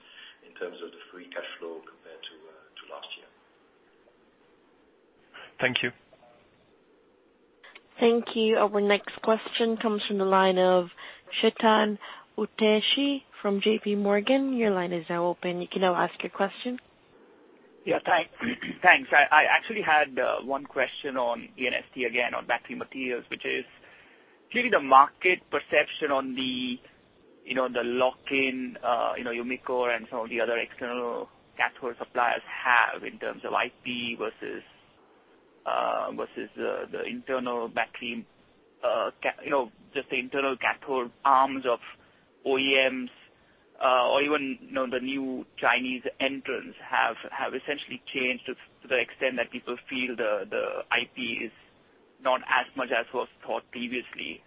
Speaker 2: in terms of the free cash flow compared to last year.
Speaker 14: Thank you.
Speaker 1: Thank you. Our next question comes from the line of Chetan Udeshi from J.P. Morgan. Your line is now open. You can now ask your question.
Speaker 15: Yeah. Thanks. I actually had one question on E&ST again, on battery materials, which is clearly the market perception on the lock-in Umicore and some of the other external cathode suppliers have in terms of IP versus just the internal cathode arms of OEMs or even the new Chinese entrants have essentially changed to the extent that people feel the IP is not as much as was thought previously.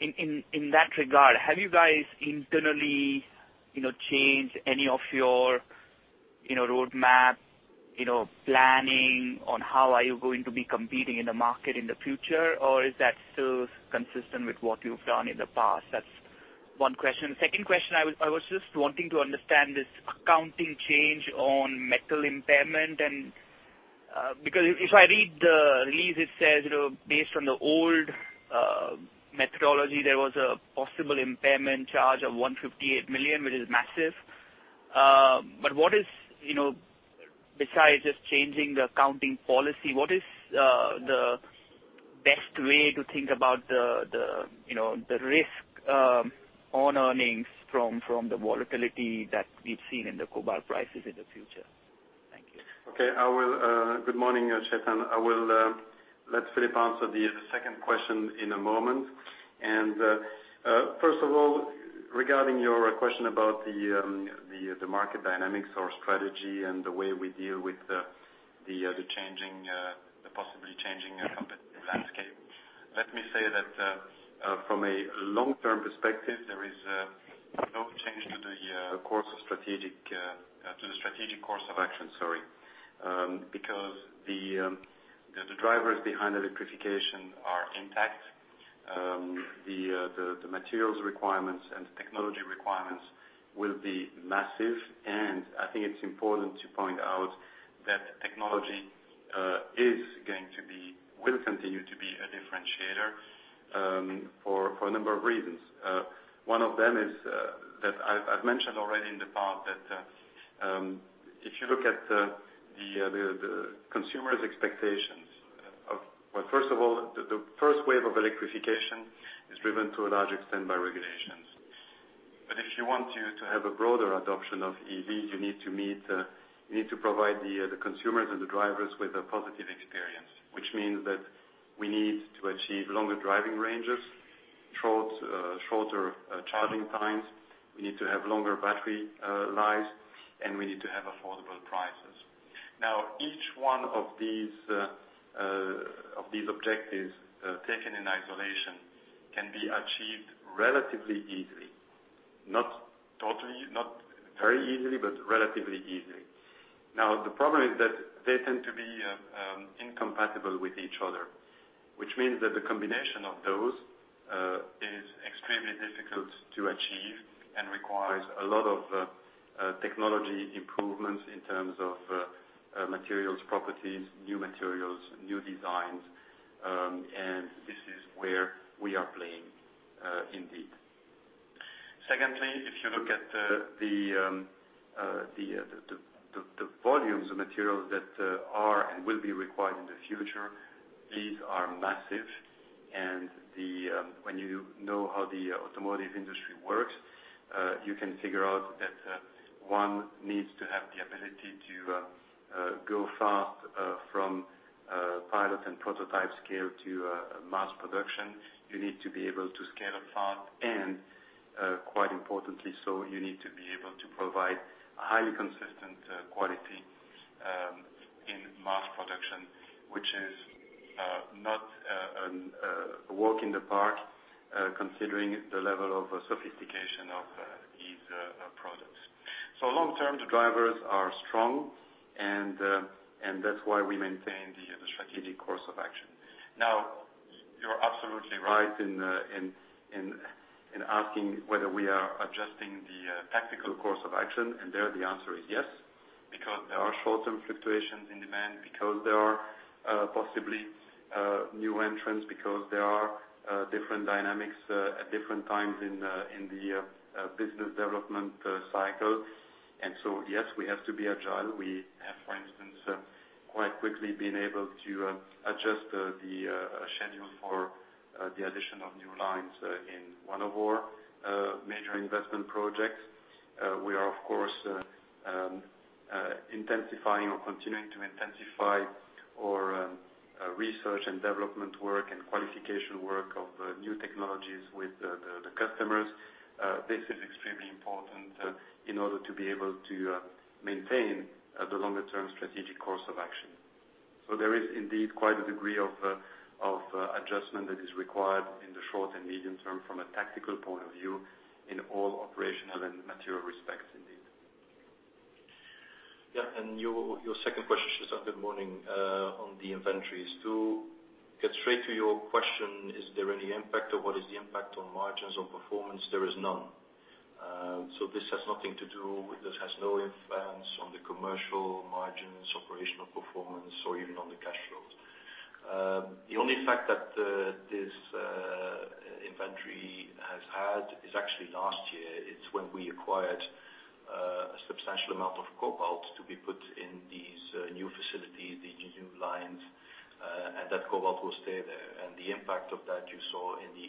Speaker 15: In that regard, have you guys internally changed any of your road map, planning on how are you going to be competing in the market in the future, or is that still consistent with what you've done in the past? That's one question. Second question, I was just wanting to understand this accounting change on metal impairment, and because if I read the release, it says based on the old methodology, there was a possible impairment charge of 158 million, which is massive. Besides just changing the accounting policy, what is the best way to think about the risk on earnings from the volatility that we've seen in the cobalt prices in the future?
Speaker 2: Okay. Good morning, Chetan Udeshi. I will let Filip answer the second question in a moment. First of all, regarding your question about the market dynamics or strategy and the way we deal with the possibly changing competitive landscape, let me say that from a long-term perspective, there is no change to the strategic course of action. The drivers behind electrification are intact. The materials requirements and technology requirements will be massive. I think it is important to point out that technology will continue to be a differentiator for a number of reasons. One of them is that I have mentioned already in the past that if you look at the consumer's expectations of Well, first of all, the first wave of electrification is driven to a large extent by regulations. If you want to have a broader adoption of EV, you need to provide the consumers and the drivers with a positive experience, which means that we need to achieve longer driving ranges, shorter charging times, we need to have longer battery lives, and we need to have affordable prices. Each one of these objectives taken in isolation can be achieved relatively easily. Not very easily, but relatively easily. The problem is that they tend to be incompatible with each other, which means that the combination of those is extremely difficult to achieve and requires a lot of technology improvements in terms of materials properties, new materials, new designs. This is where we are playing indeed. Secondly, if you look at the volumes of materials that are and will be required in the future, these are massive. When you know how the automotive industry works, you can figure out that one needs to have the ability to go fast from pilot and prototype scale to mass production. You need to be able to scale up fast and, quite importantly so, you need to be able to provide a highly consistent quality in mass production, which is not a walk in the park, considering the level of sophistication of these products. Long term, the drivers are strong, and that's why we maintain the strategic course of action. You're absolutely right in asking whether we are adjusting the tactical course of action, and there the answer is yes, because there are short-term fluctuations in demand, because there are possibly new entrants, because there are different dynamics at different times in the business development cycle. Yes, we have to be agile. We have, for instance, quite quickly been able to adjust the schedule for the addition of new lines in one of our major investment projects. We are, of course, intensifying or continuing to intensify our R&D work and qualification work of new technologies with the customers. This is extremely important in order to be able to maintain the longer-term strategic course of action. There is indeed quite a degree of adjustment that is required in the short and medium term from a tactical point of view in all operational and material respects, indeed.
Speaker 3: Yeah. Your second question, Chetan, good morning, on the inventories. To get straight to your question, is there any impact or what is the impact on margins or performance? There is none. This has no influence on the commercial margins, operational performance, or even on the cash flows. The only effect that this inventory has had is actually last year. It's when we acquired a substantial amount of cobalt to be put in these new facilities, the new lines, and that cobalt will stay there. The impact of that, you saw in the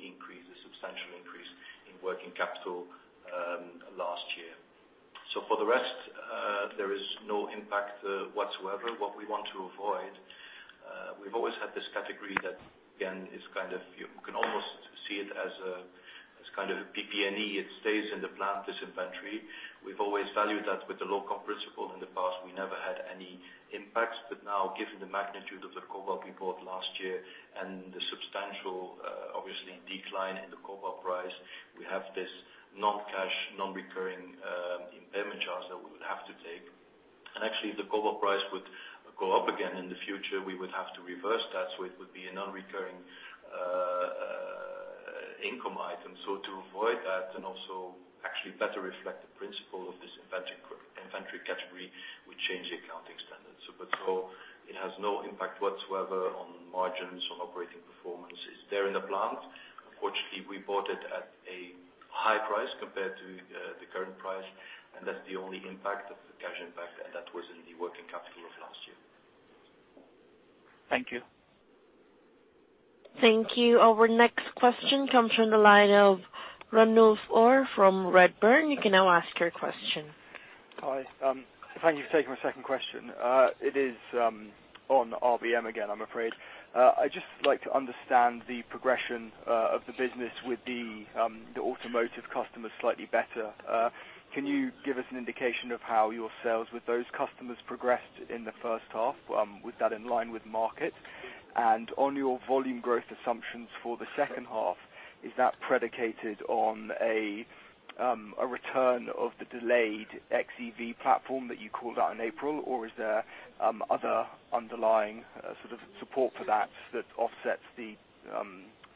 Speaker 3: substantial increase in working capital last year. For the rest, there is no impact whatsoever. What we want to avoid, we've always had this category that, again, you can almost see it as kind of a PP&E. It stays in the plant, this inventory. We've always valued that with the low-cost principle. In the past, we never had any impacts, but now, given the magnitude of the cobalt we bought last year and the substantial, obviously, decline in the cobalt price, we have this non-cash, non-recurring impairment charge that we would have to take. Actually, if the cobalt price would go up again in the future, we would have to reverse that. It would be a non-recurring income item. To avoid that and also actually better reflect the principle of this inventory category, we change the accounting standard. It has no impact whatsoever on margins, on operating performance. It's there in the plant. Unfortunately, we bought it at a high price compared to the current price, and that's the only impact of the cash impact, and that was in the working capital of last year.
Speaker 15: Thank you.
Speaker 1: Thank you. Our next question comes from the line of Ranulf Orr from Redburn. You can now ask your question.
Speaker 7: Hi. Thank you for taking my second question. It is on RBM again, I'm afraid. I'd just like to understand the progression of the business with the automotive customers slightly better. Can you give us an indication of how your sales with those customers progressed in the first half? Was that in line with market? On your volume growth assumptions for the second half, is that predicated on a return of the delayed xEV platform that you called out in April, or is there other underlying support for that offsets the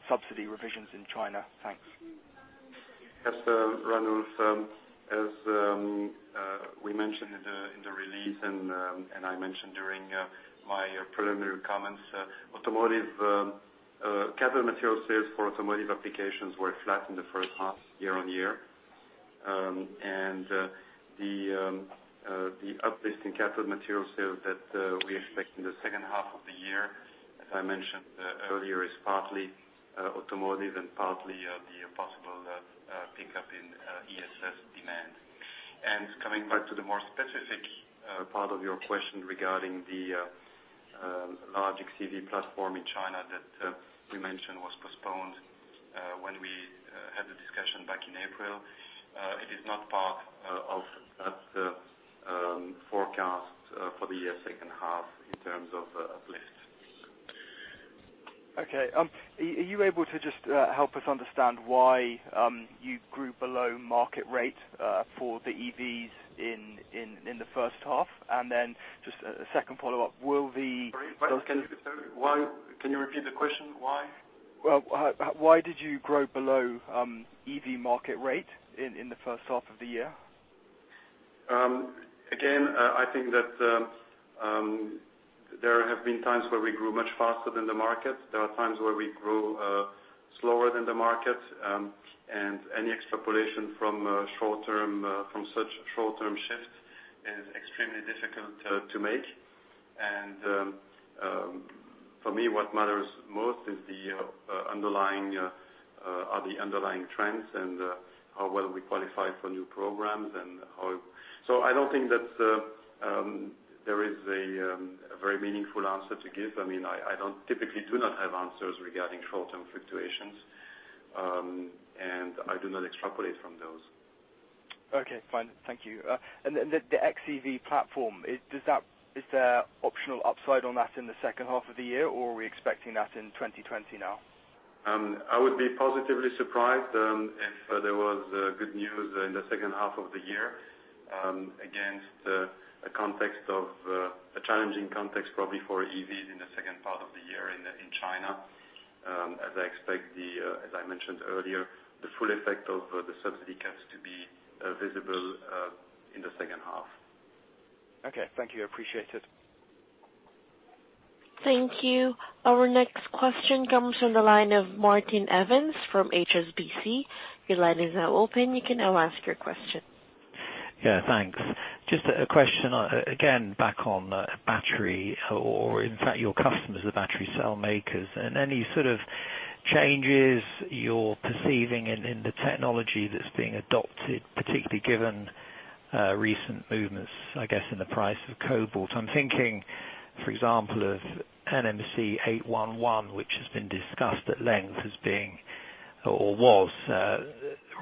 Speaker 7: subsidy revisions in China? Thanks.
Speaker 2: Yes, Ranulf. As we mentioned in the release and I mentioned during my preliminary comments, cathode material sales for automotive applications were flat in the first half, year-on-year. The uplift in cathode material sales that we expect in the second half of the year, as I mentioned earlier, is partly automotive and partly the possible pickup in ESS demand. Coming back to the more specific part of your question regarding the large xEV platform in China that we mentioned was postponed when we had the discussion back in April. It is not part of that forecast for the year second half in terms of uplift.
Speaker 7: Okay. Are you able to just help us understand why you grew below market rate for the EVs in the first half?
Speaker 2: Sorry, can you repeat the question? Why?
Speaker 7: Why did you grow below EV market rate in the first half of the year?
Speaker 2: Again, I think that there have been times where we grew much faster than the market. There are times where we grew slower than the market. Any extrapolation from such short-term shift is extremely difficult to make. For me, what matters most are the underlying trends and how well we qualify for new programs. I don't think that there is a very meaningful answer to give. I typically do not have answers regarding short-term fluctuations. I do not extrapolate from those.
Speaker 7: Okay, fine. Thank you. The XEV platform, is there optional upside on that in the second half of the year, or are we expecting that in 2020 now?
Speaker 2: I would be positively surprised if there was good news in the second half of the year against a challenging context, probably for EVs in the second part of the year in China, as I mentioned earlier, the full effect of the subsidy cuts to be visible in the second half.
Speaker 7: Okay. Thank you. Appreciate it.
Speaker 1: Thank you. Our next question comes from the line of Martin Evans from HSBC. Your line is now open. You can now ask your question.
Speaker 16: Yeah. Thanks. Just a question, again, back on battery or in fact, your customers, the battery cell makers. Any sort of changes you're perceiving in the technology that's being adopted, particularly given recent movements, I guess, in the price of cobalt? I'm thinking, for example, of NMC 811, which has been discussed at length as being, or was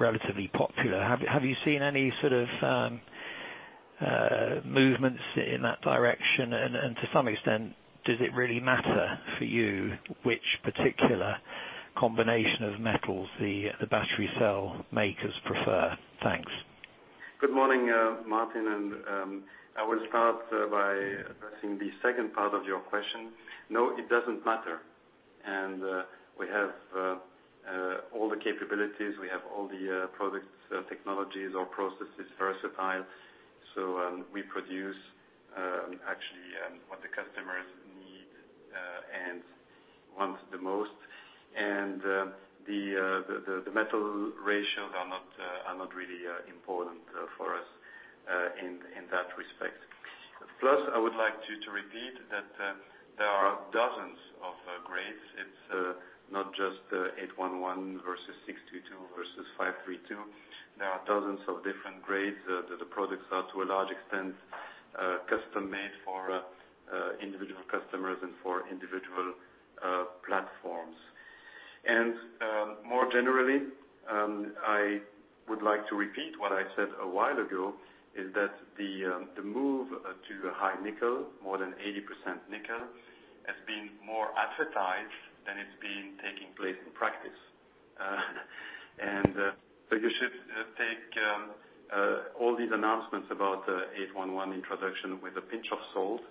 Speaker 16: relatively popular. Have you seen any sort of movements in that direction? To some extent, does it really matter for you which particular combination of metals the battery cell makers prefer? Thanks.
Speaker 2: Good morning, Martin. I will start by addressing the second part of your question. No, it doesn't matter. We have all the capabilities, we have all the product technologies. Our process is versatile. We produce actually what the customers need and want the most. The metal ratios are not really important for us in that respect. Plus, I would like to repeat that there are dozens of grades. It's not just 811 versus 622 versus 532. There are dozens of different grades. The products are, to a large extent, custom-made for individual customers and for individual platforms. More generally, I would like to repeat what I said a while ago, is that the move to high nickel, more than 80% nickel, has been more advertised than it's been taking place in practice. You should take all these announcements about 811 introduction with a pinch of salt,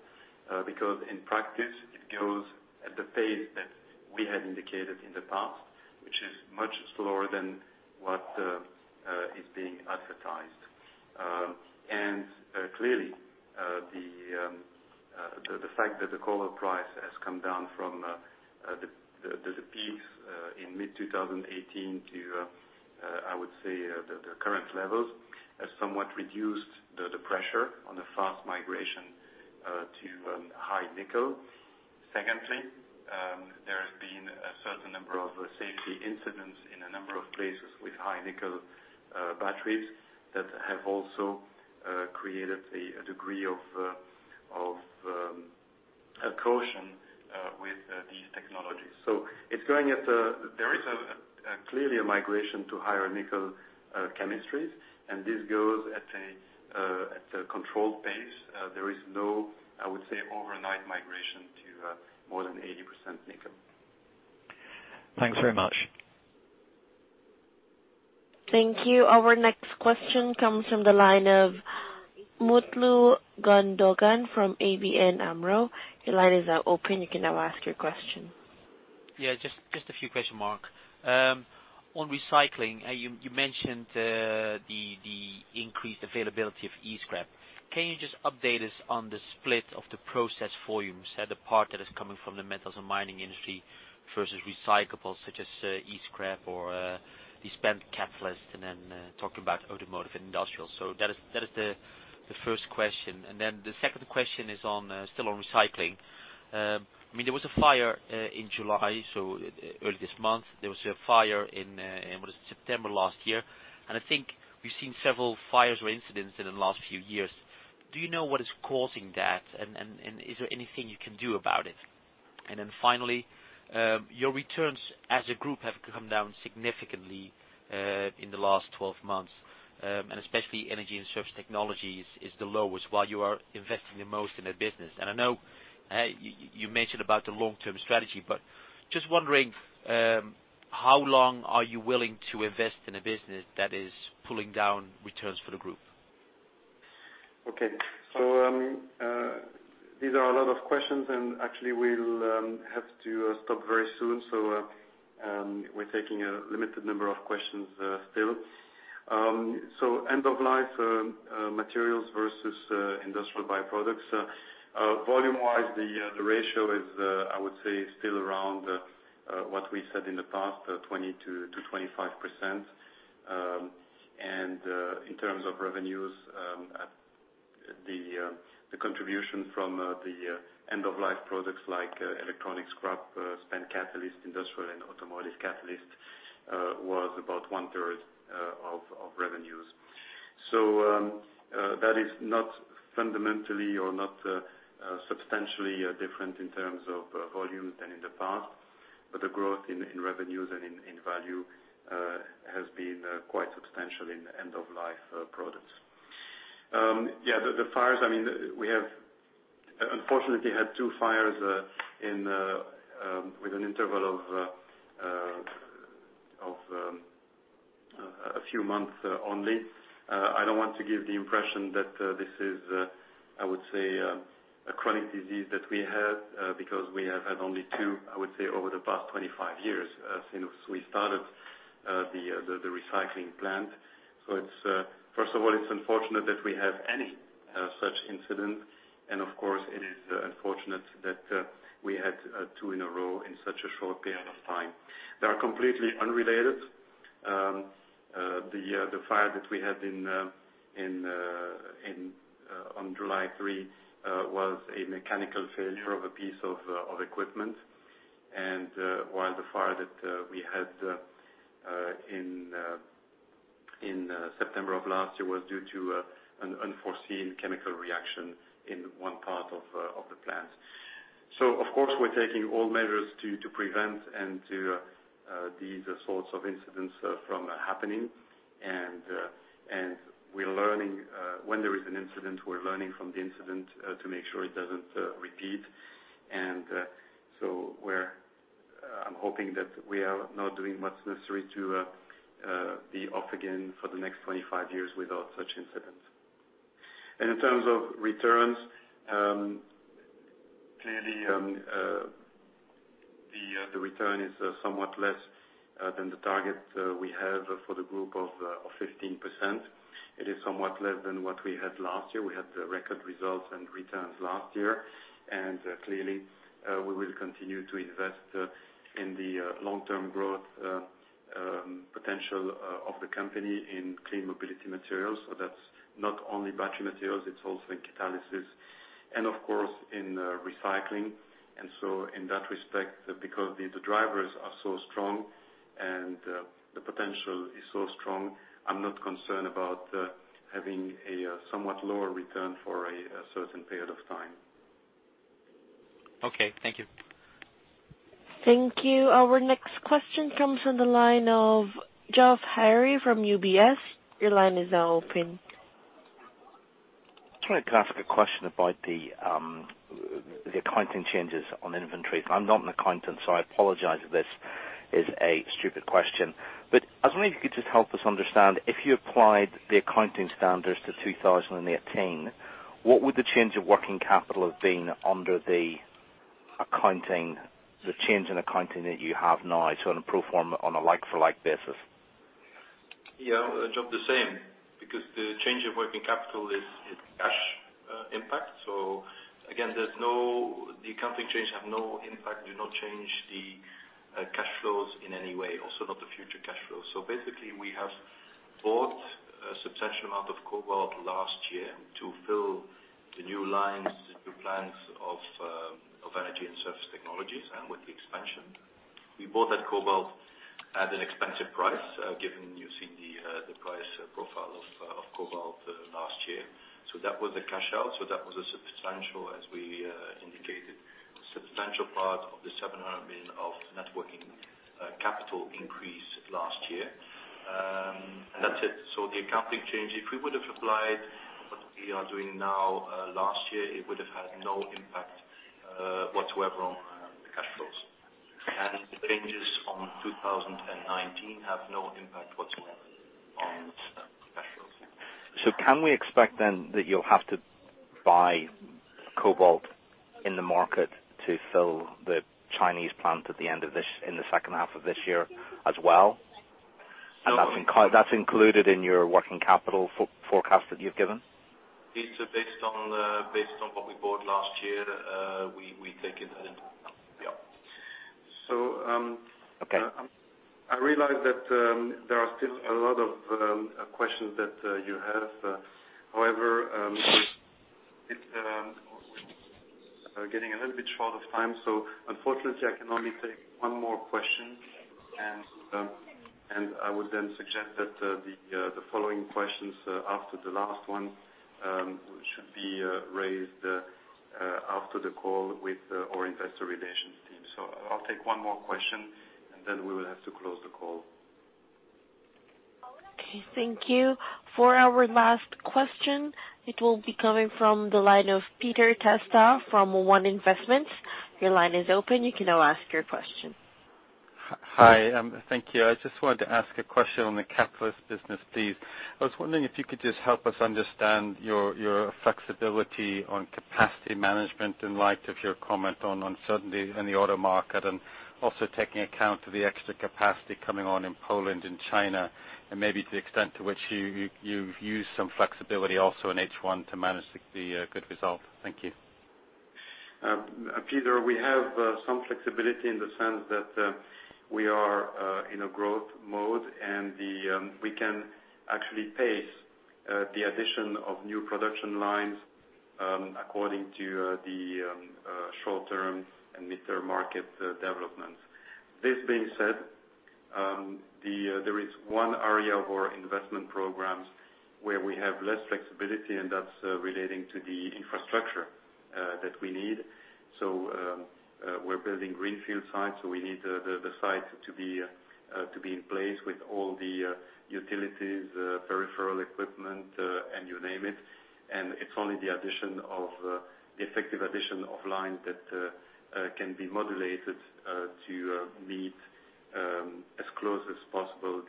Speaker 2: because in practice, it goes at the pace that we had indicated in the past, which is much slower than what is being advertised. Clearly, the fact that the cobalt price has come down from the peak in mid-2018 to I would say the current levels have somewhat reduced the pressure on the fast migration to high nickel. Secondly, there has been a certain number of safety incidents in a number of places with high nickel batteries that have also created a degree of caution with these technologies. There is clearly a migration to higher nickel chemistries, and this goes at a controlled pace. There is no, I would say, overnight migration to more than 80% nickel.
Speaker 16: Thanks very much.
Speaker 1: Thank you. Our next question comes from the line of Mutlu Gundogan from ABN AMRO. Your line is now open. You can now ask your question.
Speaker 8: Yeah, just a few questions, Marc. On recycling, you mentioned the increased availability of E-scrap. Can you just update us on the split of the process volumes, the part that is coming from the metals and mining industry versus recyclables such as E-scrap or the spent catalyst, and then talk about automotive and industrial. That is the first question. The second question is still on recycling. There was a fire in July, early this month. There was a fire in, what is it, September last year. I think we've seen several fires or incidents in the last few years. Do you know what is causing that, and is there anything you can do about it? Finally, your returns as a group have come down significantly in the last 12 months, and especially Energy & Surface Technologies is the lowest while you are investing the most in that business. I know you mentioned about the long-term strategy, but just wondering, how long are you willing to invest in a business that is pulling down returns for the group?
Speaker 2: Okay. These are a lot of questions and actually we'll have to stop very soon. We're taking a limited number of questions still. End-of-life materials versus industrial byproducts. Volume-wise, the ratio is, I would say, still around what we said in the past, 20% to 25%. In terms of revenues, the contribution from the end-of-life products like electronic scrap, spent catalyst, industrial and automotive catalyst, was about one-third of revenues. That is not fundamentally or not substantially different in terms of volume than in the past, but the growth in revenues and in value has been quite substantial in end-of-life products. The fires, we have unfortunately had two fires with an interval of a few months only. I don't want to give the impression that this is, I would say, a chronic disease that we have, because we have had only two, I would say, over the past 25 years, since we started the recycling plant. First of all, it's unfortunate that we have any such incident, and of course it is unfortunate that we had two in a row in such a short period of time. They are completely unrelated. The fire that we had on July 3 was a mechanical failure of a piece of equipment. While the fire that we had in September of last year was due to an unforeseen chemical reaction in one part of the plant. Of course, we're taking all measures to prevent these sorts of incidents from happening. When there is an incident, we're learning from the incident to make sure it doesn't repeat. I'm hoping that we are now doing what's necessary to be off again for the next 25 years without such incidents. In terms of returns, clearly, the return is somewhat less than the target we have for the group of 15%. It is somewhat less than what we had last year. We had record results and returns last year. Clearly, we will continue to invest in the long-term growth potential of the company in clean mobility materials. That's not only battery materials, it's also in catalysis and of course, in recycling. In that respect, because the drivers are so strong and the potential is so strong, I'm not concerned about having a somewhat lower return for a certain period of time.
Speaker 8: Okay. Thank you.
Speaker 1: Thank you. Our next question comes from the line of Geoff Haire from UBS. Your line is now open.
Speaker 9: Just wondering, can I ask a question about the accounting changes on inventory? I'm not an accountant. I apologize if this is a stupid question. I was wondering if you could just help us understand, if you applied the accounting standards to 2018, what would the change of working capital have been under the change in accounting that you have now, so on a pro forma, on a like for like basis?
Speaker 2: Yeah, Geoff, the same, because the change of working capital is cash-impact. Again, the accounting changes have no impact, do not change the cash flows in any way, also not the future cash flows. Basically, we have bought a substantial amount of cobalt last year to fill the new lines, the new plants of Energy & Surface Technologies, and with the expansion. We bought that cobalt at an expensive price, given you've seen the price profile of cobalt last year. That was the cash out. That was a substantial, as we indicated, substantial part of the 700 million of net working capital increase last year. That's it. The accounting change, if we would have applied what we are doing now last year, it would have had no impact whatsoever on the cash flows. The changes on 2019 have no impact whatsoever on cash flows.
Speaker 9: Can we expect then that you'll have to buy cobalt in the market to fill the Chinese plant in the second half of this year as well?
Speaker 2: So-
Speaker 9: That's included in your working capital forecast that you've given?
Speaker 2: It's based on what we bought last year, we take it that in. Yeah.
Speaker 9: Okay.
Speaker 2: I realize that there are still a lot of questions that you have. We are getting a little bit short of time, so unfortunately, I can only take one more question, and I would then suggest that the following questions after the last one should be raised after the call with our investor relations team. I'll take one more question, and then we will have to close the call.
Speaker 1: Okay, thank you. For our last question, it will be coming from the line of Peter Testa from One Investments. Your line is open. You can now ask your question.
Speaker 10: Hi, thank you. I just wanted to ask a question on the catalyst business, please. I was wondering if you could just help us understand your flexibility on capacity management in light of your comment on uncertainty in the auto market, and also taking account of the extra capacity coming on in Poland and China, and maybe to the extent to which you've used some flexibility also in H1 to manage the good result. Thank you.
Speaker 2: Peter, we have some flexibility in the sense that we are in a growth mode and we can actually pace the addition of new production lines according to the short-term and mid-term market developments. This being said, there is one area of our investment programs where we have less flexibility, and that's relating to the infrastructure that we need. We're building greenfield sites, so we need the site to be in place with all the utilities, peripheral equipment, and you name it. It's only the effective addition of lines that can be modulated to meet as closely as possible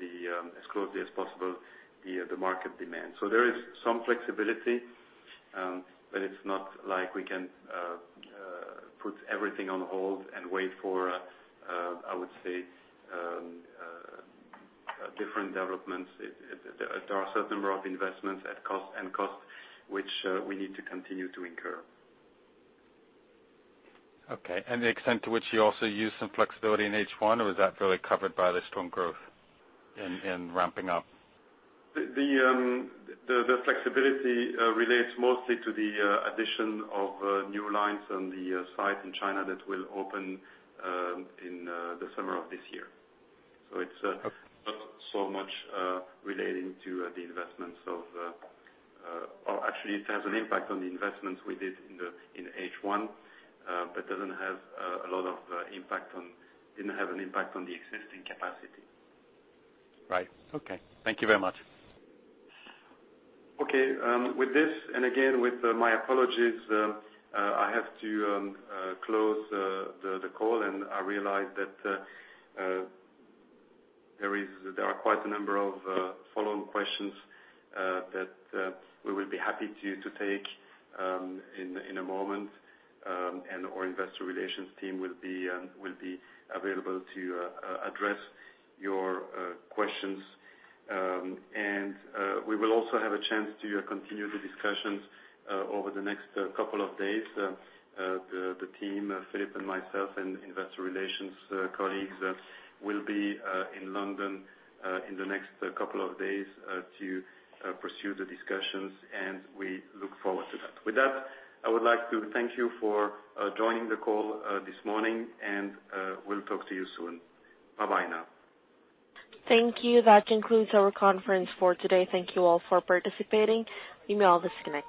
Speaker 2: the market demand. There is some flexibility, but it's not like we can put everything on hold and wait for, I would say, different developments. There are a certain number of investments and costs, which we need to continue to incur.
Speaker 10: The extent to which you also use some flexibility in H1, or is that fairly covered by the strong growth in ramping up?
Speaker 2: The flexibility relates mostly to the addition of new lines on the site in China that will open in the summer of this year.
Speaker 10: Okay.
Speaker 2: It's not so much relating to the investments actually, it has an impact on the investments we did in H1, but didn't have an impact on the existing capacity.
Speaker 10: Right. Okay. Thank you very much.
Speaker 2: Okay. With this, again, with my apologies, I have to close the call. I realize that there are quite a number of follow-on questions that we will be happy to take in a moment. Our investor relations team will be available to address your questions. We will also have a chance to continue the discussions over the next couple of days. The team, Filip and myself, investor relations colleagues will be in London in the next couple of days to pursue the discussions. We look forward to that. With that, I would like to thank you for joining the call this morning. We'll talk to you soon. Bye-bye now.
Speaker 1: Thank you. That concludes our conference for today. Thank you all for participating. You may all disconnect now.